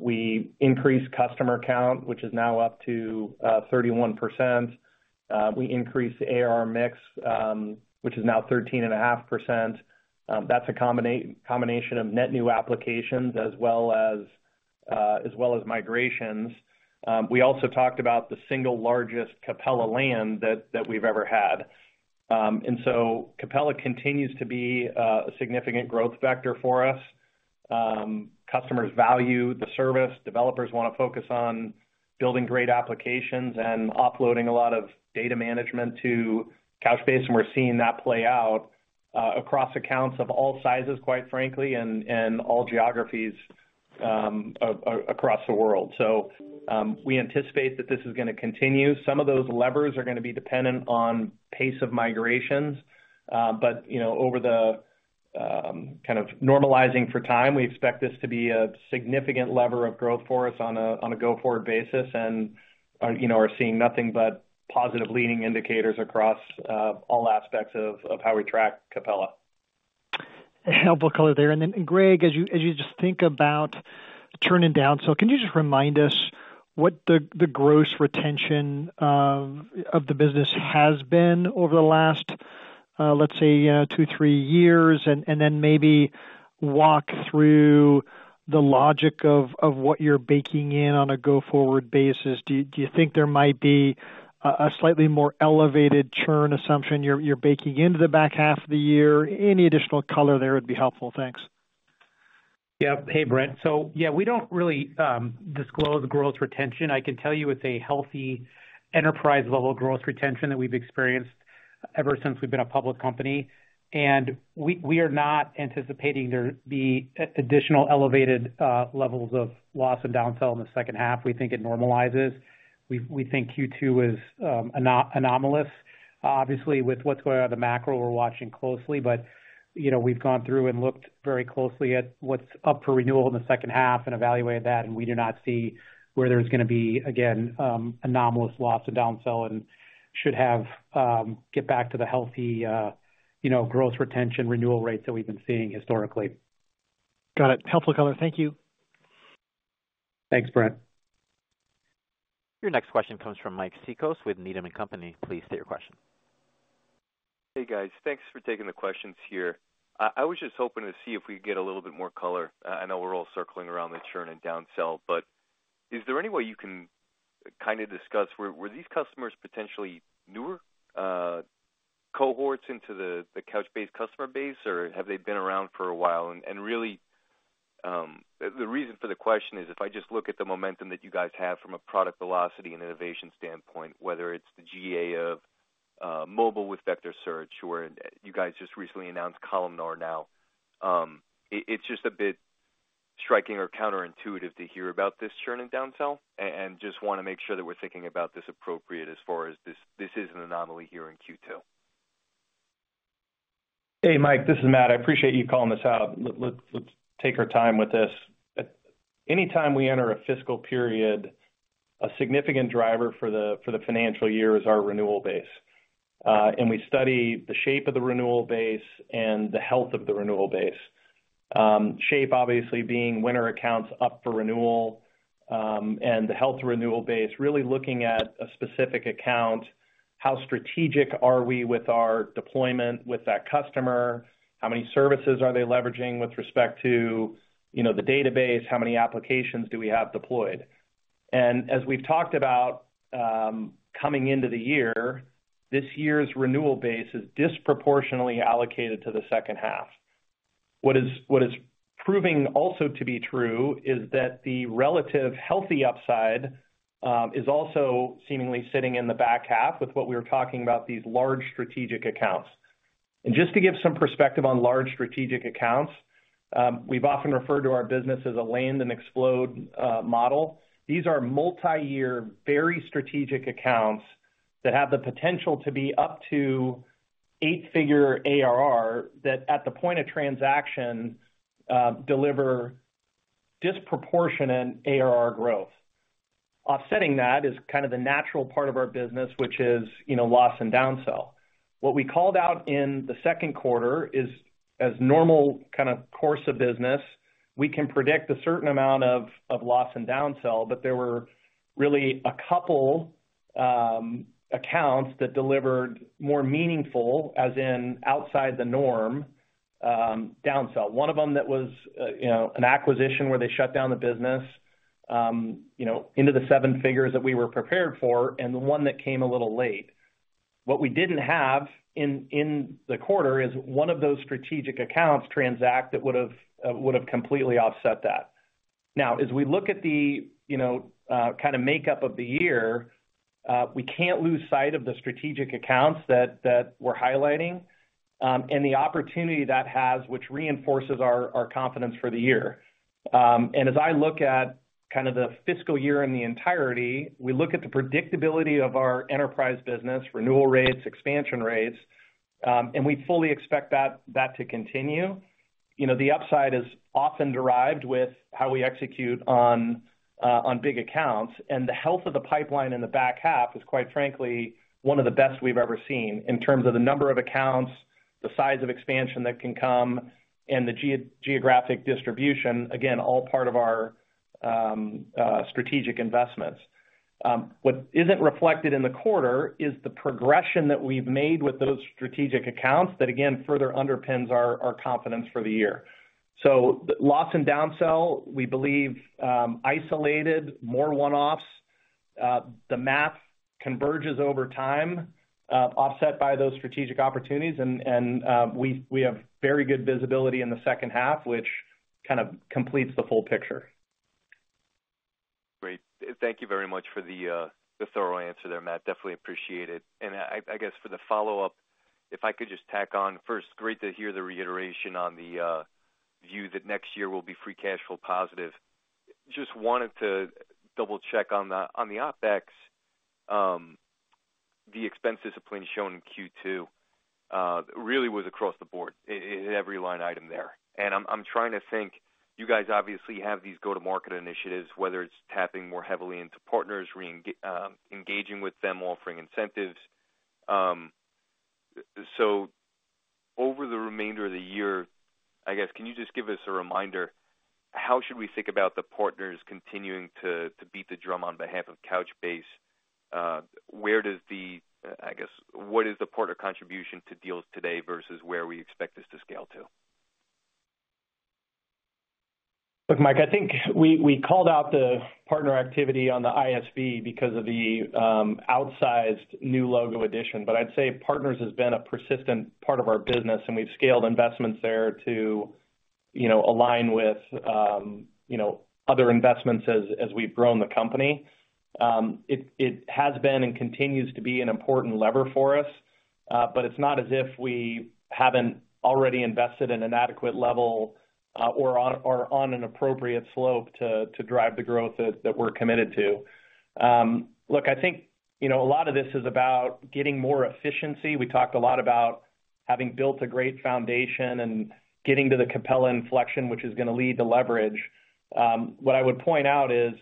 We increased customer count, which is now up to 31%. We increased the ARR mix, which is now 13.5%. That's a combination of net new applications as well as migrations. We also talked about the single largest Capella land that we've ever had. And so Capella continues to be a significant growth vector for us. Customers value the service. Developers wanna focus on building great applications and offloading a lot of data management to Couchbase, and we're seeing that play out across accounts of all sizes, quite frankly, and all geographies across the world. So, we anticipate that this is gonna continue. Some of those levers are gonna be dependent on pace of migrations, but you know, over the kind of normalizing for time, we expect this to be a significant lever of growth for us on a go-forward basis, and you know are seeing nothing but positive leading indicators across all aspects of how we track Capella. Helpful color there. Then, Greg, as you just think about churn and downsell can you just remind us what the gross retention of the business has been over the last, let's say, two, three years? Then maybe walk through the logic of what you're baking in on a go-forward basis. Do you think there might be a slightly more elevated churn assumption you're baking into the back half of the year? Any additional color there would be helpful. Thanks. Yeah. Hey, Brent. So yeah, we don't really disclose gross retention. I can tell you it's a healthy enterprise-level gross retention that we've experienced ever since we've been a public company, and we are not anticipating there be additional elevated levels of loss and downsell in the second half. We think it normalizes. We think Q2 is anomalous. Obviously, with what's going on in the macro, we're watching closely, but you know, we've gone through and looked very closely at what's up for renewal in the second half and evaluated that, and we do not see where there's gonna be, again, anomalous loss and downsell, and-... should have, get back to the healthy, you know, gross retention, renewal rates that we've been seeing historically. Got it. Helpful color. Thank you. Thanks, Brent. Your next question comes from Mike Cikos with Needham & Company. Please state your question. Hey, guys. Thanks for taking the questions here. I was just hoping to see if we could get a little bit more color. I know we're all circling around the churn and downsell, but is there any way you can kinda discuss were these customers potentially newer cohorts into the Couchbase customer base, or have they been around for a while? Really, the reason for the question is, if I just look at the momentum that you guys have from a product velocity and innovation standpoint, whether it's the GA of mobile with Vector Search, or you guys just recently announced Columnar now, it's just a bit striking or counterintuitive to hear about this churn in downsell, and just wanna make sure that we're thinking about this appropriate as far as this is an anomaly here in Q2. Hey, Mike, this is Matt. I appreciate you calling this out. Let's take our time with this. Anytime we enter a fiscal period, a significant driver for the financial year is our renewal base. We study the shape of the renewal base and the health of the renewal base. Shape obviously being which accounts up for renewal, and the health of the renewal base, really looking at a specific account, how strategic are we with our deployment with that customer? How many services are they leveraging with respect to, you know, the database? How many applications do we have deployed? As we've talked about, coming into the year, this year's renewal base is disproportionately allocated to the second half. What is proving also to be true is that the relatively healthy upside is also seemingly sitting in the back half with what we were talking about, these large strategic accounts. And just to give some perspective on large strategic accounts, we've often referred to our business as a land and expand model. These are multi-year, very strategic accounts that have the potential to be up to eight-figure ARR, that at the point of transaction deliver disproportionate ARR growth. Offsetting that is kind of the natural part of our business, which is, you know, churn and downsell. What we called out in the second quarter is as normal kind of course of business, we can predict a certain amount of loss and downsell, but there were really a couple accounts that delivered more meaningful, as in outside the norm, downsell. One of them that was you know an acquisition where they shut down the business you know into the seven figures that we were prepared for, and the one that came a little late. What we didn't have in the quarter is one of those strategic accounts transact that would have would have completely offset that. Now, as we look at the you know kind of makeup of the year, we can't lose sight of the strategic accounts that we're highlighting, and the opportunity that has, which reinforces our confidence for the year. And as I look at kind of the fiscal year in the entirety, we look at the predictability of our enterprise business, renewal rates, expansion rates, and we fully expect that to continue. You know, the upside is often derived with how we execute on big accounts, and the health of the pipeline in the back half is quite frankly one of the best we've ever seen in terms of the number of accounts, the size of expansion that can come, and the geographic distribution, again, all part of our strategic investments. What isn't reflected in the quarter is the progression that we've made with those strategic accounts that, again, further underpins our confidence for the year. So loss and downsell, we believe, isolated, more one-offs. The math converges over time, offset by those strategic opportunities, and we have very good visibility in the second half, which kind of completes the full picture. Great. Thank you very much for the, the thorough answer there, Matt. Definitely appreciate it. And I guess for the follow-up, if I could just tack on. First, great to hear the reiteration on the view that next year will be free cash flow positive. Just wanted to double-check on the OpEx, the expense discipline shown in Q2, really was across the board in every line item there. And I'm trying to think, you guys obviously have these go-to-market initiatives, whether it's tapping more heavily into partners, engaging with them, offering incentives. So over the remainder of the year, I guess, can you just give us a reminder, how should we think about the partners continuing to beat the drum on behalf of Couchbase? Where does the... I guess, what is the partner contribution to deals today versus where we expect this to scale to? Look, Mike, I think we called out the partner activity on the ISV because of the outsized new logo addition. But I'd say partners has been a persistent part of our business, and we've scaled investments there to, you know, align with, you know, other investments as we've grown the company. It has been and continues to be an important lever for us, but it's not as if we haven't already invested in an adequate level, or on an appropriate slope to drive the growth that we're committed to. Look, I think, you know, a lot of this is about getting more efficiency. We talked a lot about-... having built a great foundation and getting to the Capella inflection, which is going to lead to leverage, what I would point out is,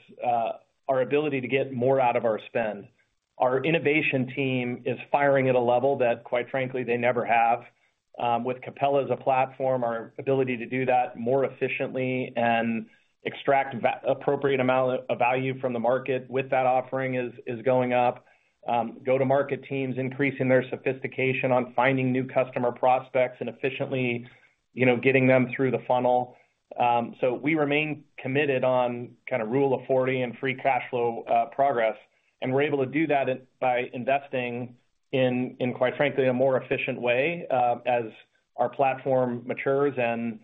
our ability to get more out of our spend. Our innovation team is firing at a level that, quite frankly, they never have. With Capella as a platform, our ability to do that more efficiently and extract appropriate amount of value from the market with that offering is going up. Go-to-market teams increasing their sophistication on finding new customer prospects and efficiently, you know, getting them through the funnel. So we remain committed on kind of Rule of 40 and free cash flow progress, and we're able to do that by investing in, quite frankly, a more efficient way, as our platform matures and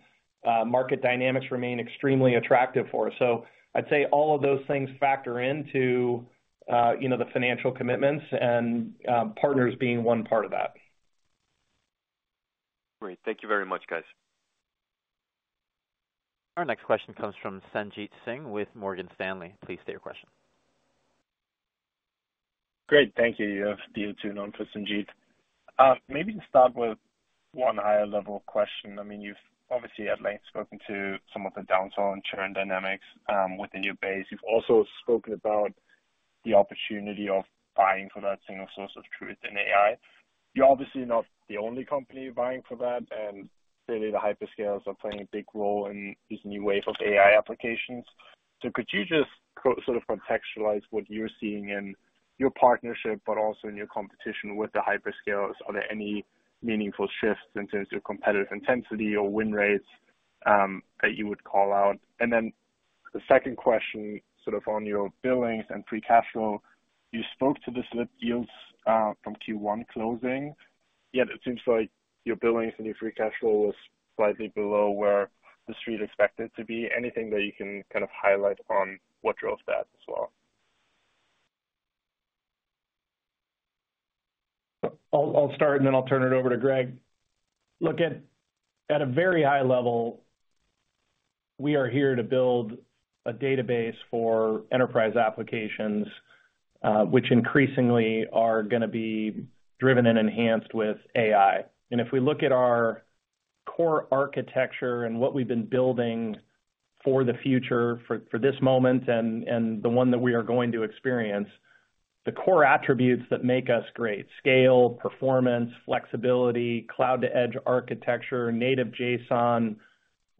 market dynamics remain extremely attractive for us. So I'd say all of those things factor into, you know, the financial commitments and, partners being one part of that. Great. Thank you very much, guys. Our next question comes from Sanjit Singh with Morgan Stanley. Please state your question. Great, thank you. uncertain. Maybe to start with one higher level question. I mean, you've obviously, at length, spoken to some of the downside on churn dynamics within your base. You've also spoken about the opportunity of vying for that single source of truth in AI. You're obviously not the only company vying for that, and clearly, the hyperscalers are playing a big role in this new wave of AI applications. So could you just sort of contextualize what you're seeing in your partnership, but also in your competition with the hyperscalers? Are there any meaningful shifts in terms of competitive intensity or win rates that you would call out? And then the second question, sort of on your billings and free cash flow. You spoke to the slippage from Q1 closing, yet it seems like your billings and your free cash flow was slightly below where the Street expected to be. Anything that you can kind of highlight on what drove that as well? I'll start, and then I'll turn it over to Greg. Look, at a very high level, we are here to build a database for enterprise applications, which increasingly are going to be driven and enhanced with AI. And if we look at our core architecture and what we've been building for the future, for this moment and the one that we are going to experience, the core attributes that make us great, scale, performance, flexibility, cloud-to-edge architecture, native JSON,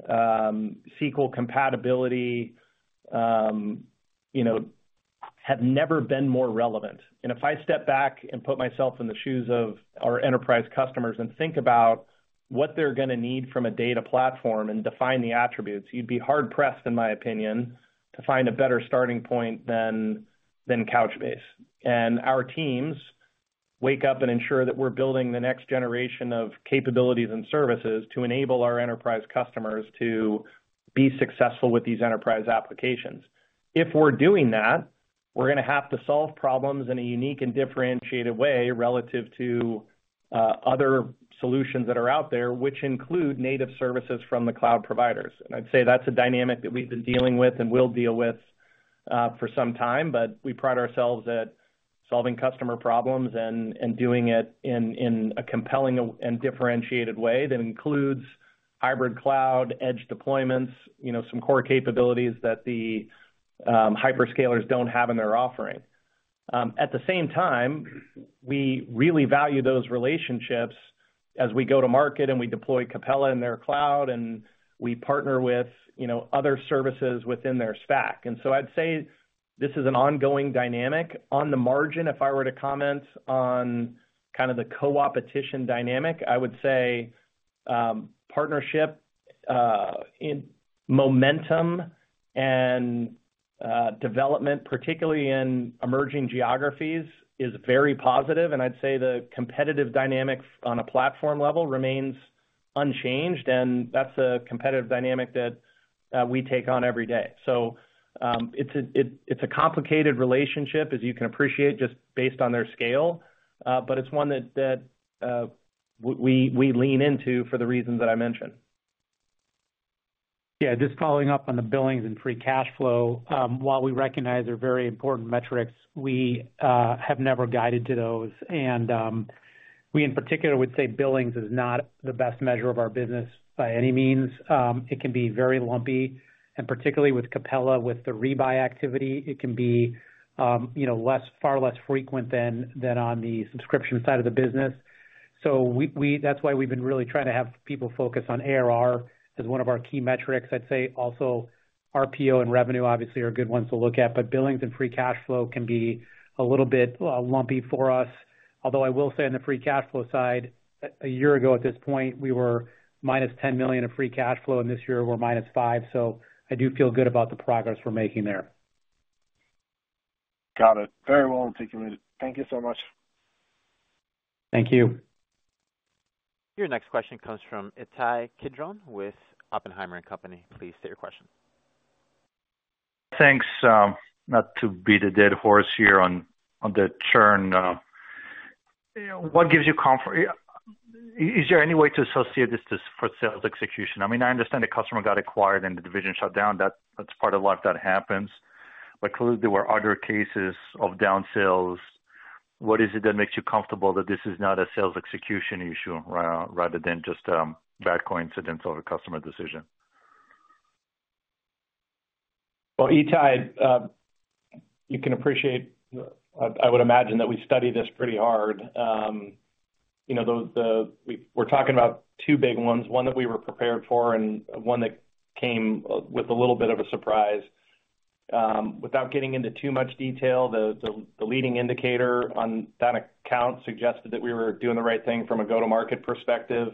SQL compatibility, you know, have never been more relevant. And if I step back and put myself in the shoes of our enterprise customers and think about what they're going to need from a data platform and define the attributes, you'd be hard-pressed, in my opinion, to find a better starting point than Couchbase. Our teams wake up and ensure that we're building the next generation of capabilities and services to enable our enterprise customers to be successful with these enterprise applications. If we're doing that, we're going to have to solve problems in a unique and differentiated way relative to other solutions that are out there, which include native services from the cloud providers. I'd say that's a dynamic that we've been dealing with and will deal with for some time, but we pride ourselves at solving customer problems and doing it in a compelling and differentiated way that includes hybrid cloud, edge deployments, you know, some core capabilities that the hyperscalers don't have in their offering. At the same time, we really value those relationships as we go to market and we deploy Capella in their cloud, and we partner with, you know, other services within their stack, and so I'd say this is an ongoing dynamic. On the margin, if I were to comment on kind of the coopetition dynamic, I would say, partnership in momentum and development, particularly in emerging geographies, is very positive, and I'd say the competitive dynamics on a platform level remains unchanged, and that's a competitive dynamic that we take on every day, so it's a complicated relationship, as you can appreciate, just based on their scale, but it's one that we lean into for the reasons that I mentioned. Yeah, just following up on the billings and free cash flow. While we recognize they're very important metrics, we have never guided to those, and we, in particular, would say billings is not the best measure of our business by any means. It can be very lumpy, and particularly with Capella, with the rebuy activity, it can be, you know, less, far less frequent than on the subscription side of the business. So that's why we've been really trying to have people focus on ARR as one of our key metrics. I'd say also RPO and revenue, obviously, are good ones to look at, but billings and free cash flow can be a little bit lumpy for us. Although I will say on the free cash flow side, a year ago, at this point, we were minus $10 million of free cash flow, and this year we're minus $5 million, so I do feel good about the progress we're making there. Got it. Very well. Thank you. Thank you so much. Thank you. Your next question comes from Itay Kidron with Oppenheimer & Co. Please state your question. Thanks, not to beat a dead horse here on the churn. What gives you comfort? Is there any way to associate this for sales execution? I mean, I understand the customer got acquired and the division shut down. That's part of life, that happens.... But clearly there were other cases of down sales. What is it that makes you comfortable that this is not a sales execution issue, rather than just bad coincidences or the customer decision? Well, Itay, you can appreciate, I would imagine that we studied this pretty hard. You know, we're talking about two big ones, one that we were prepared for and one that came with a little bit of a surprise. Without getting into too much detail, the leading indicator on that account suggested that we were doing the right thing from a go-to-market perspective.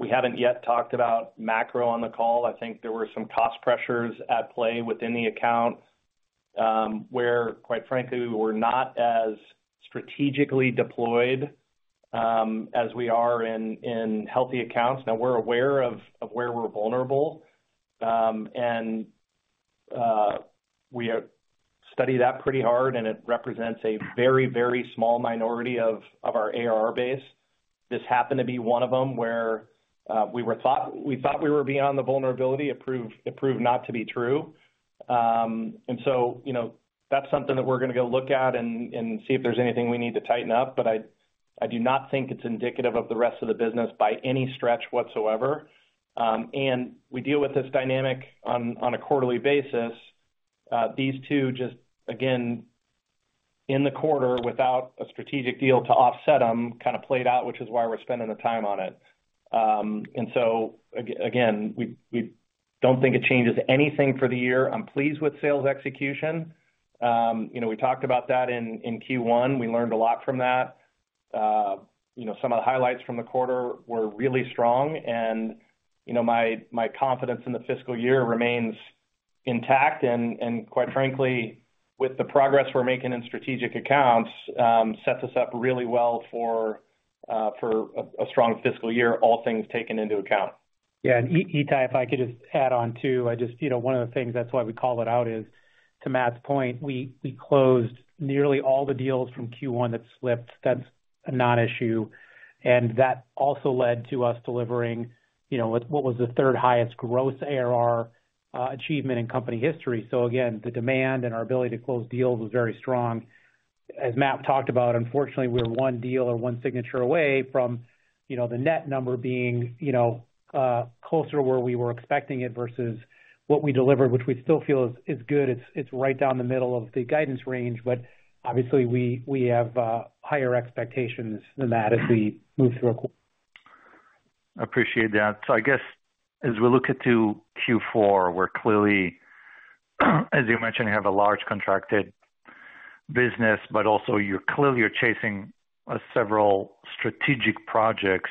We haven't yet talked about macro on the call. I think there were some cost pressures at play within the account, where, quite frankly, we were not as strategically deployed, as we are in healthy accounts. Now we're aware of where we're vulnerable, and we have studied that pretty hard, and it represents a very, very small minority of our ARR base. This happened to be one of them, where we thought we were beyond the vulnerability. It proved not to be true. You know, that's something that we're gonna go look at and see if there's anything we need to tighten up, but I do not think it's indicative of the rest of the business by any stretch whatsoever. We deal with this dynamic on a quarterly basis. These two, just again, in the quarter, without a strategic deal to offset them, kind of played out, which is why we're spending the time on it. Again, we don't think it changes anything for the year. I'm pleased with sales execution. You know, we talked about that in Q1. We learned a lot from that. You know, some of the highlights from the quarter were really strong, and, you know, my confidence in the fiscal year remains intact, and quite frankly, with the progress we're making in strategic accounts, sets us up really well for a strong fiscal year, all things taken into account. Yeah, and Itay, if I could just add on, too. I just, you know, one of the things that's why we call it out is, to Matt's point, we closed nearly all the deals from Q1 that slipped. That's a non-issue, and that also led to us delivering, you know, what was the third highest gross ARR achievement in company history. So again, the demand and our ability to close deals was very strong. As Matt talked about, unfortunately, we're one deal or one signature away from, you know, the net number being, you know, closer to where we were expecting it versus what we delivered, which we still feel is good. It's right down the middle of the guidance range, but obviously, we have higher expectations than that as we move through a quarter. Appreciate that. So I guess as we look into Q4, we're clearly, as you mentioned, you have a large contracted business, but also you're clearly chasing several strategic projects.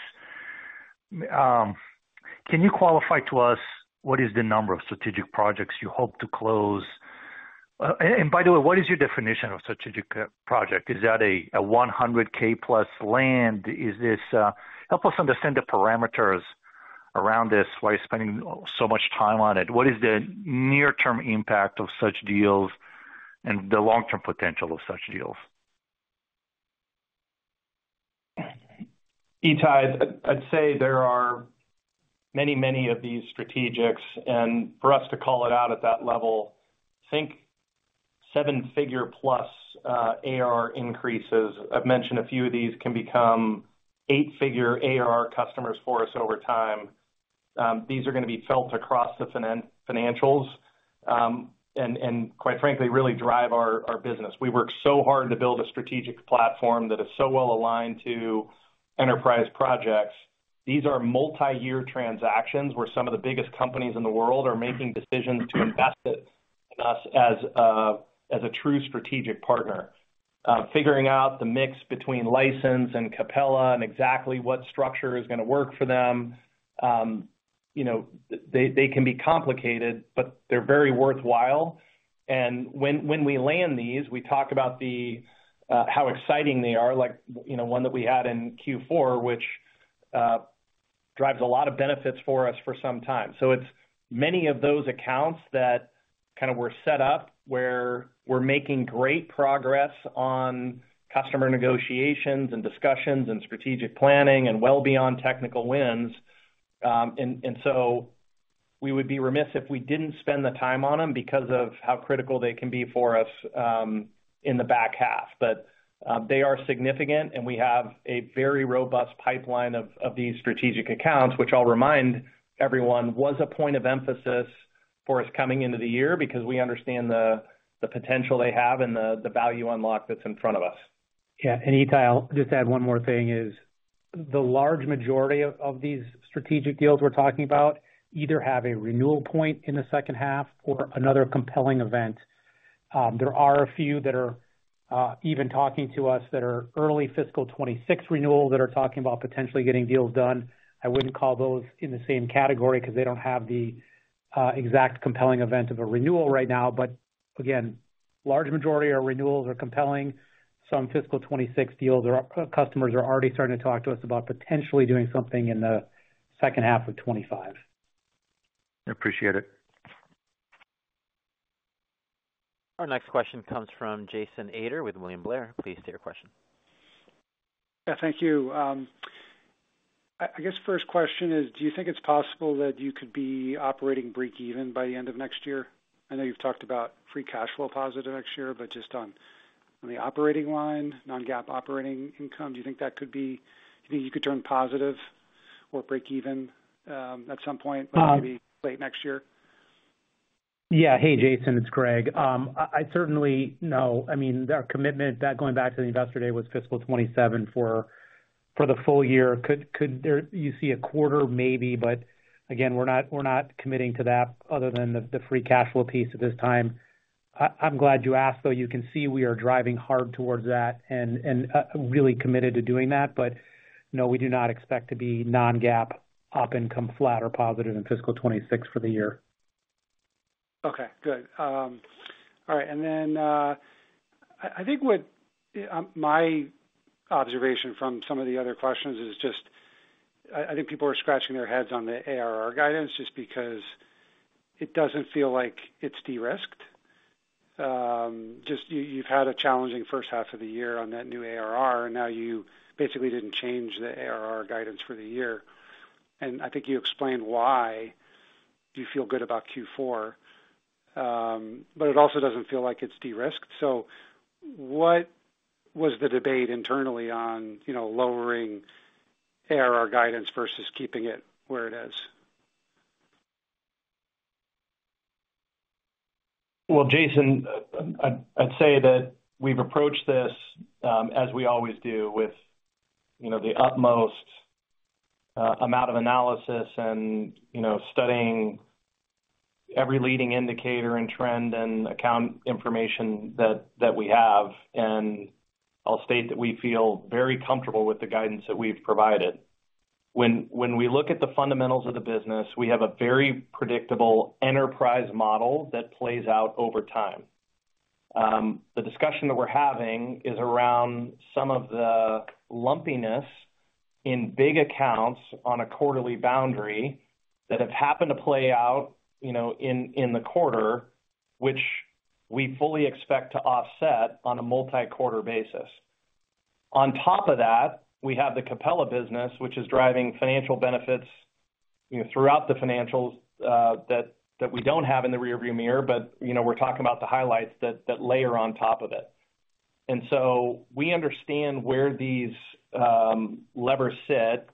Can you qualify to us what is the number of strategic projects you hope to close? And by the way, what is your definition of strategic project? Is that a $100K plus land? Help us understand the parameters around this, why you're spending so much time on it. What is the near-term impact of such deals and the long-term potential of such deals? Itay, I'd say there are many, many of these strategics, and for us to call it out at that level, think seven-figure plus, ARR increases. I've mentioned a few of these can become eight-figure ARR customers for us over time. These are gonna be felt across the financials, and quite frankly, really drive our business. We work so hard to build a strategic platform that is so well aligned to enterprise projects. These are multi-year transactions, where some of the biggest companies in the world are making decisions to invest it in us as a true strategic partner. Figuring out the mix between license and Capella and exactly what structure is gonna work for them, you know, they can be complicated, but they're very worthwhile. And when we land these, we talk about the how exciting they are, like, you know, one that we had in Q4, which drives a lot of benefits for us for some time. So it's many of those accounts that kind of were set up, where we're making great progress on customer negotiations and discussions and strategic planning, and well beyond technical wins. And so we would be remiss if we didn't spend the time on them because of how critical they can be for us in the back half. But they are significant, and we have a very robust pipeline of these strategic accounts, which I'll remind everyone was a point of emphasis for us coming into the year because we understand the potential they have and the value unlock that's in front of us. Yeah, and Itay, I'll just add one more thing. The large majority of these strategic deals we're talking about either have a renewal point in the second half or another compelling event. There are a few that are even talking to us that are early fiscal twenty-six renewals, that are talking about potentially getting deals done. I wouldn't call those in the same category because they don't have the exact compelling event of a renewal right now. But again, large majority of our renewals are compelling. Some fiscal twenty-six deals customers are already starting to talk to us about potentially doing something in the second half of twenty-five. I appreciate it. Our next question comes from Jason Ader with William Blair. Please state your question.... Yeah, thank you. I guess first question is, do you think it's possible that you could be operating breakeven by the end of next year? I know you've talked about free cash flow positive next year, but just on the operating line, non-GAAP operating income, do you think that could be? Do you think you could turn positive or breakeven at some point, maybe late next year? Yeah. Hey, Jason, it's Greg. I certainly. No, I mean, our commitment, that going back to the Investor Day, was fiscal twenty-seven for the full year. Could there, you see, a quarter? Maybe, but again, we're not committing to that other than the free cash flow piece at this time. I'm glad you asked, though. You can see we are driving hard towards that and really committed to doing that. But no, we do not expect to be non-GAAP op income flat or positive in fiscal twenty-six for the year. Okay, good. All right, and then, I think my observation from some of the other questions is just, I think people are scratching their heads on the ARR guidance just because it doesn't feel like it's de-risked. Just you, you've had a challenging first half of the year on that new ARR, and now you basically didn't change the ARR guidance for the year. And I think you explained why you feel good about Q4, but it also doesn't feel like it's de-risked. So what was the debate internally on, you know, lowering ARR guidance versus keeping it where it is? Well, Jason, I'd say that we've approached this, as we always do with, you know, the utmost amount of analysis and, you know, studying every leading indicator and trend and account information that we have, and I'll state that we feel very comfortable with the guidance that we've provided. When we look at the fundamentals of the business, we have a very predictable enterprise model that plays out over time. The discussion that we're having is around some of the lumpiness in big accounts on a quarterly boundary that have happened to play out, you know, in the quarter, which we fully expect to offset on a multi-quarter basis. On top of that, we have the Capella business, which is driving financial benefits, you know, throughout the financials, that we don't have in the rearview mirror, but, you know, we're talking about the highlights that layer on top of it. And so we understand where these levers sit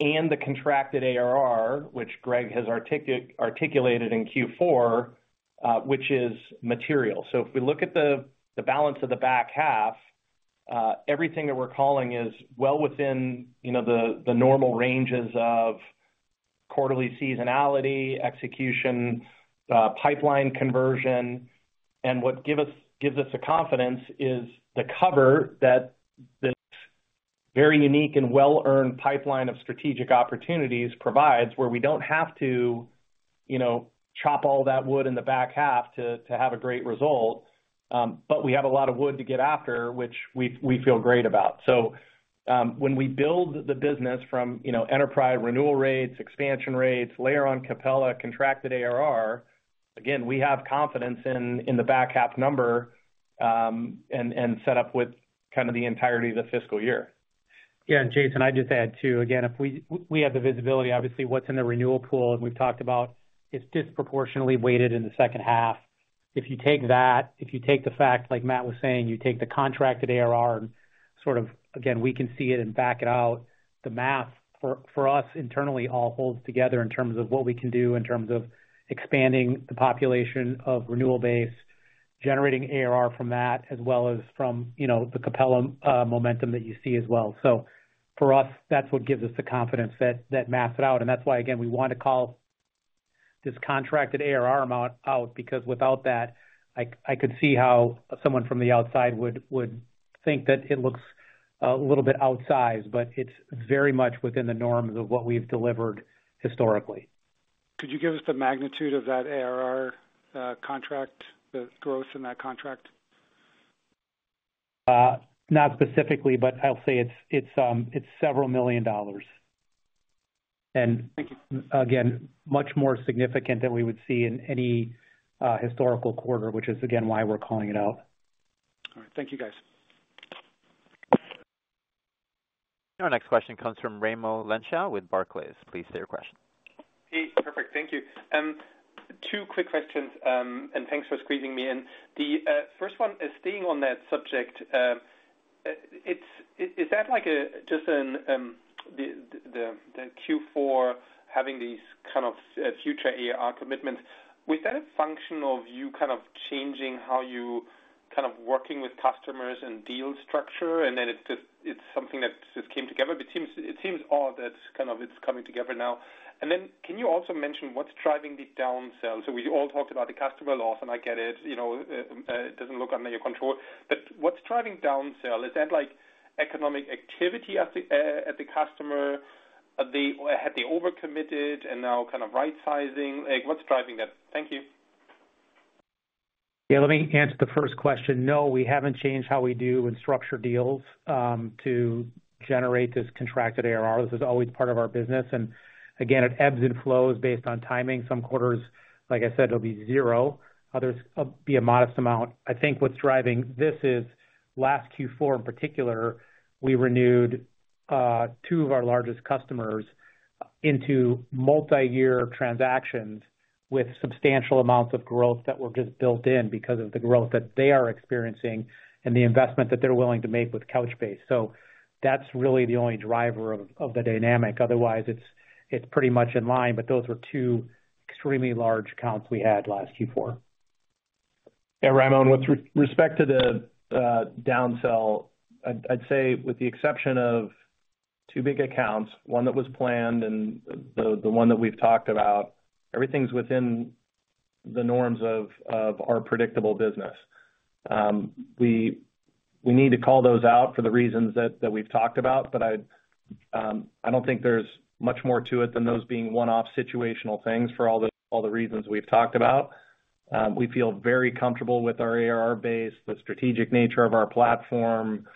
and the contracted ARR, which Greg has articulated in Q4, which is material. So if we look at the balance of the back half, everything that we're calling is well within, you know, the normal ranges of quarterly seasonality, execution, pipeline conversion. And what gives us the confidence is the cover that this very unique and well-earned pipeline of strategic opportunities provides, where we don't have to, you know, chop all that wood in the back half to have a great result. But we have a lot of work to get after, which we feel great about. So, when we build the business from, you know, enterprise renewal rates, expansion rates, layer on Capella, contracted ARR, again, we have confidence in the back half number, and set up with kind of the entirety of the fiscal year. Yeah, and Jason, I'd just add, too, again, if we have the visibility. Obviously, what's in the renewal pool, as we've talked about, it's disproportionately weighted in the second half. If you take that, if you take the fact, like Matt was saying, you take the contracted ARR and sort of... Again, we can see it and back it out. The math, for us internally, all holds together in terms of what we can do, in terms of expanding the population of renewal base, generating ARR from that, as well as from, you know, the Capella momentum that you see as well. So for us, that's what gives us the confidence that that math out, and that's why, again, we want to call this contracted ARR amount out, because without that, I could see how someone from the outside would think that it looks a little bit outsized, but it's very much within the norms of what we've delivered historically. Could you give us the magnitude of that ARR contract, the growth in that contract? Not specifically, but I'll say it's several million dollars. Thank you. And again, much more significant than we would see in any historical quarter, which is again, why we're calling it out. All right. Thank you, guys. Our next question comes from Raimo Lenschow with Barclays. Please state your question. Hey, perfect. Thank you. Two quick questions, and thanks for squeezing me in. The first one is staying on that subject. It's... Is that like a just an the Q4 having these kind of future ARR commitments? Was that a function of you kind of changing how you kind of working with customers and deal structure, and then it's just something that just came together? But it seems odd that kind of it's coming together now. And then, can you also mention what's driving the downsell? So we all talked about the customer loss, and I get it, you know, it doesn't look under your control. But what's driving downsell? Is that like economic activity at the customer? Had they overcommitted and now kind of right sizing? Like, what's driving that? Thank you. Yeah, let me answer the first question. No, we haven't changed how we do and structure deals to generate this contracted ARR. This is always part of our business, and again, it ebbs and flows based on timing. Some quarters, like I said, it'll be zero, others be a modest amount. I think what's driving this is last Q4, in particular, we renewed two of our largest customers into multi-year transactions with substantial amounts of growth that were just built in because of the growth that they are experiencing and the investment that they're willing to make with Couchbase. So that's really the only driver of the dynamic. Otherwise, it's pretty much in line, but those were two extremely large accounts we had last Q4. And Raimo, with respect to the downsell, I'd say, with the exception of two big accounts, one that was planned and the one that we've talked about, everything's within the norms of our predictable business. We need to call those out for the reasons that we've talked about, but I don't think there's much more to it than those being one-off situational things for all the reasons we've talked about. We feel very comfortable with our ARR base, the strategic nature of our platform,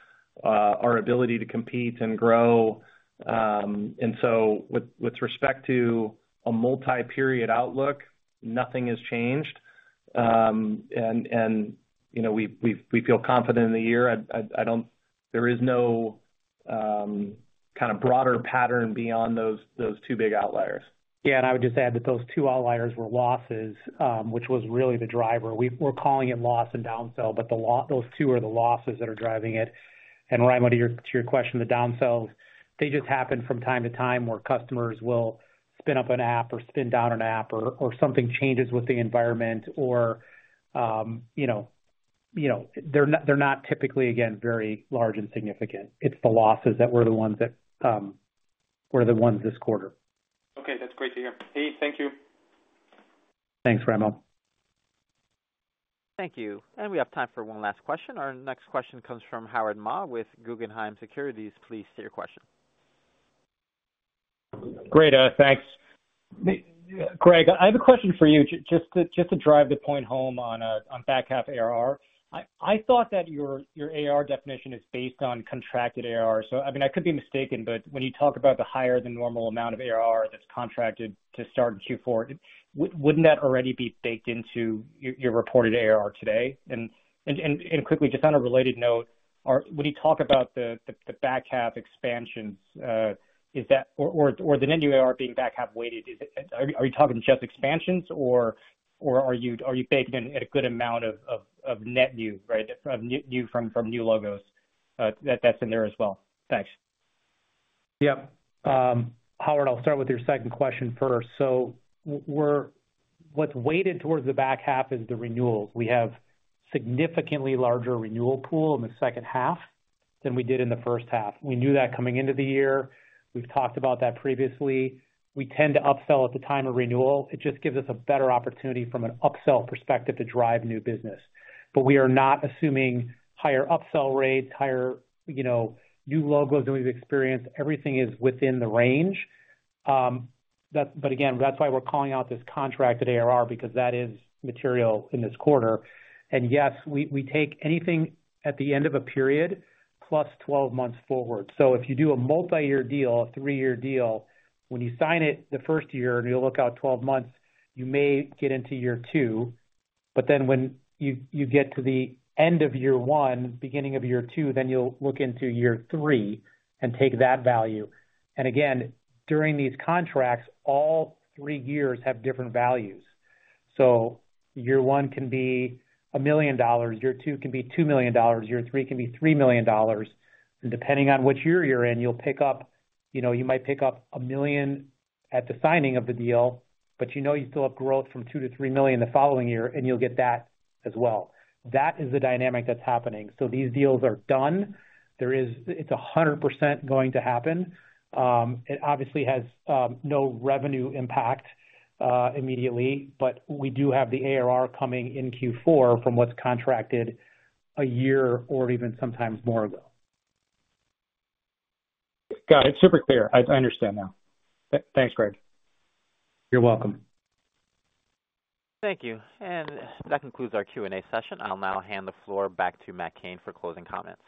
our ability to compete and grow, and you know, we feel confident in the year. There is no kind of broader pattern beyond those two big outliers. Yeah, and I would just add that those two outliers were losses, which was really the driver. We're calling it loss and downsell, but those two are the losses that are driving it. And Raimo, to your question, the downsells, they just happen from time to time, where customers will spin up an app or spin down an app or something changes with the environment or, you know, they're not typically, again, very large and significant. It's the losses that were the ones that were the ones this quarter. Okay, that's great to hear. Hey, thank you. Thanks, Raimo. Thank you. And we have time for one last question. Our next question comes from Howard Ma with Guggenheim Securities. Please state your question. Great, thanks. Greg, I have a question for you, just to drive the point home on back half ARR. I thought that your ARR definition is based on contracted ARR. So I mean, I could be mistaken, but when you talk about the higher than normal amount of ARR that's contracted to start in Q4, wouldn't that already be baked into your reported ARR today? And quickly, just on a related note, are, when you talk about the back half expansions, is that or the net new ARR being back half weighted, is it, are you talking just expansions or are you baking in a good amount of net new, right? Of new from new logos, that's in there as well? Thanks. Yeah. Howard, I'll start with your second question first. So what's weighted towards the back half is the renewals. We have significantly larger renewal pool in the second half than we did in the first half. We knew that coming into the year. We've talked about that previously. We tend to upsell at the time of renewal. It just gives us a better opportunity from an upsell perspective to drive new business. But we are not assuming higher upsell rates, higher, you know, new logos than we've experienced. Everything is within the range. But again, that's why we're calling out this contracted ARR, because that is material in this quarter. Yes, we take anything at the end of a period, plus twelve months forward. So if you do a multi-year deal, a three-year deal, when you sign it the first year, and you look out twelve months, you may get into year two, but then when you get to the end of year one, beginning of year two, then you'll look into year three and take that value. And again, during these contracts, all three years have different values. So year one can be $1 million, year two can be $2 million, year three can be $3 million. And depending on which year you're in, you'll pick up, you know, you might pick up $1 million at the signing of the deal, but you know you still have growth from $2 million to $3 million the following year, and you'll get that as well. That is the dynamic that's happening. So these deals are done. It's 100% going to happen. It obviously has no revenue impact immediately, but we do have the ARR coming in Q4 from what's contracted a year or even sometimes more ago. Got it. Super clear. I understand now. Thanks, Greg. You're welcome. Thank you, and that concludes our Q&A session. I'll now hand the floor back to Matt Cain for closing comments.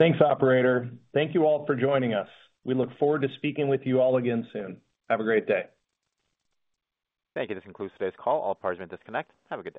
Thanks, operator. Thank you all for joining us. We look forward to speaking with you all again soon. Have a great day. Thank you. This concludes today's call. All parties may disconnect. Have a good day.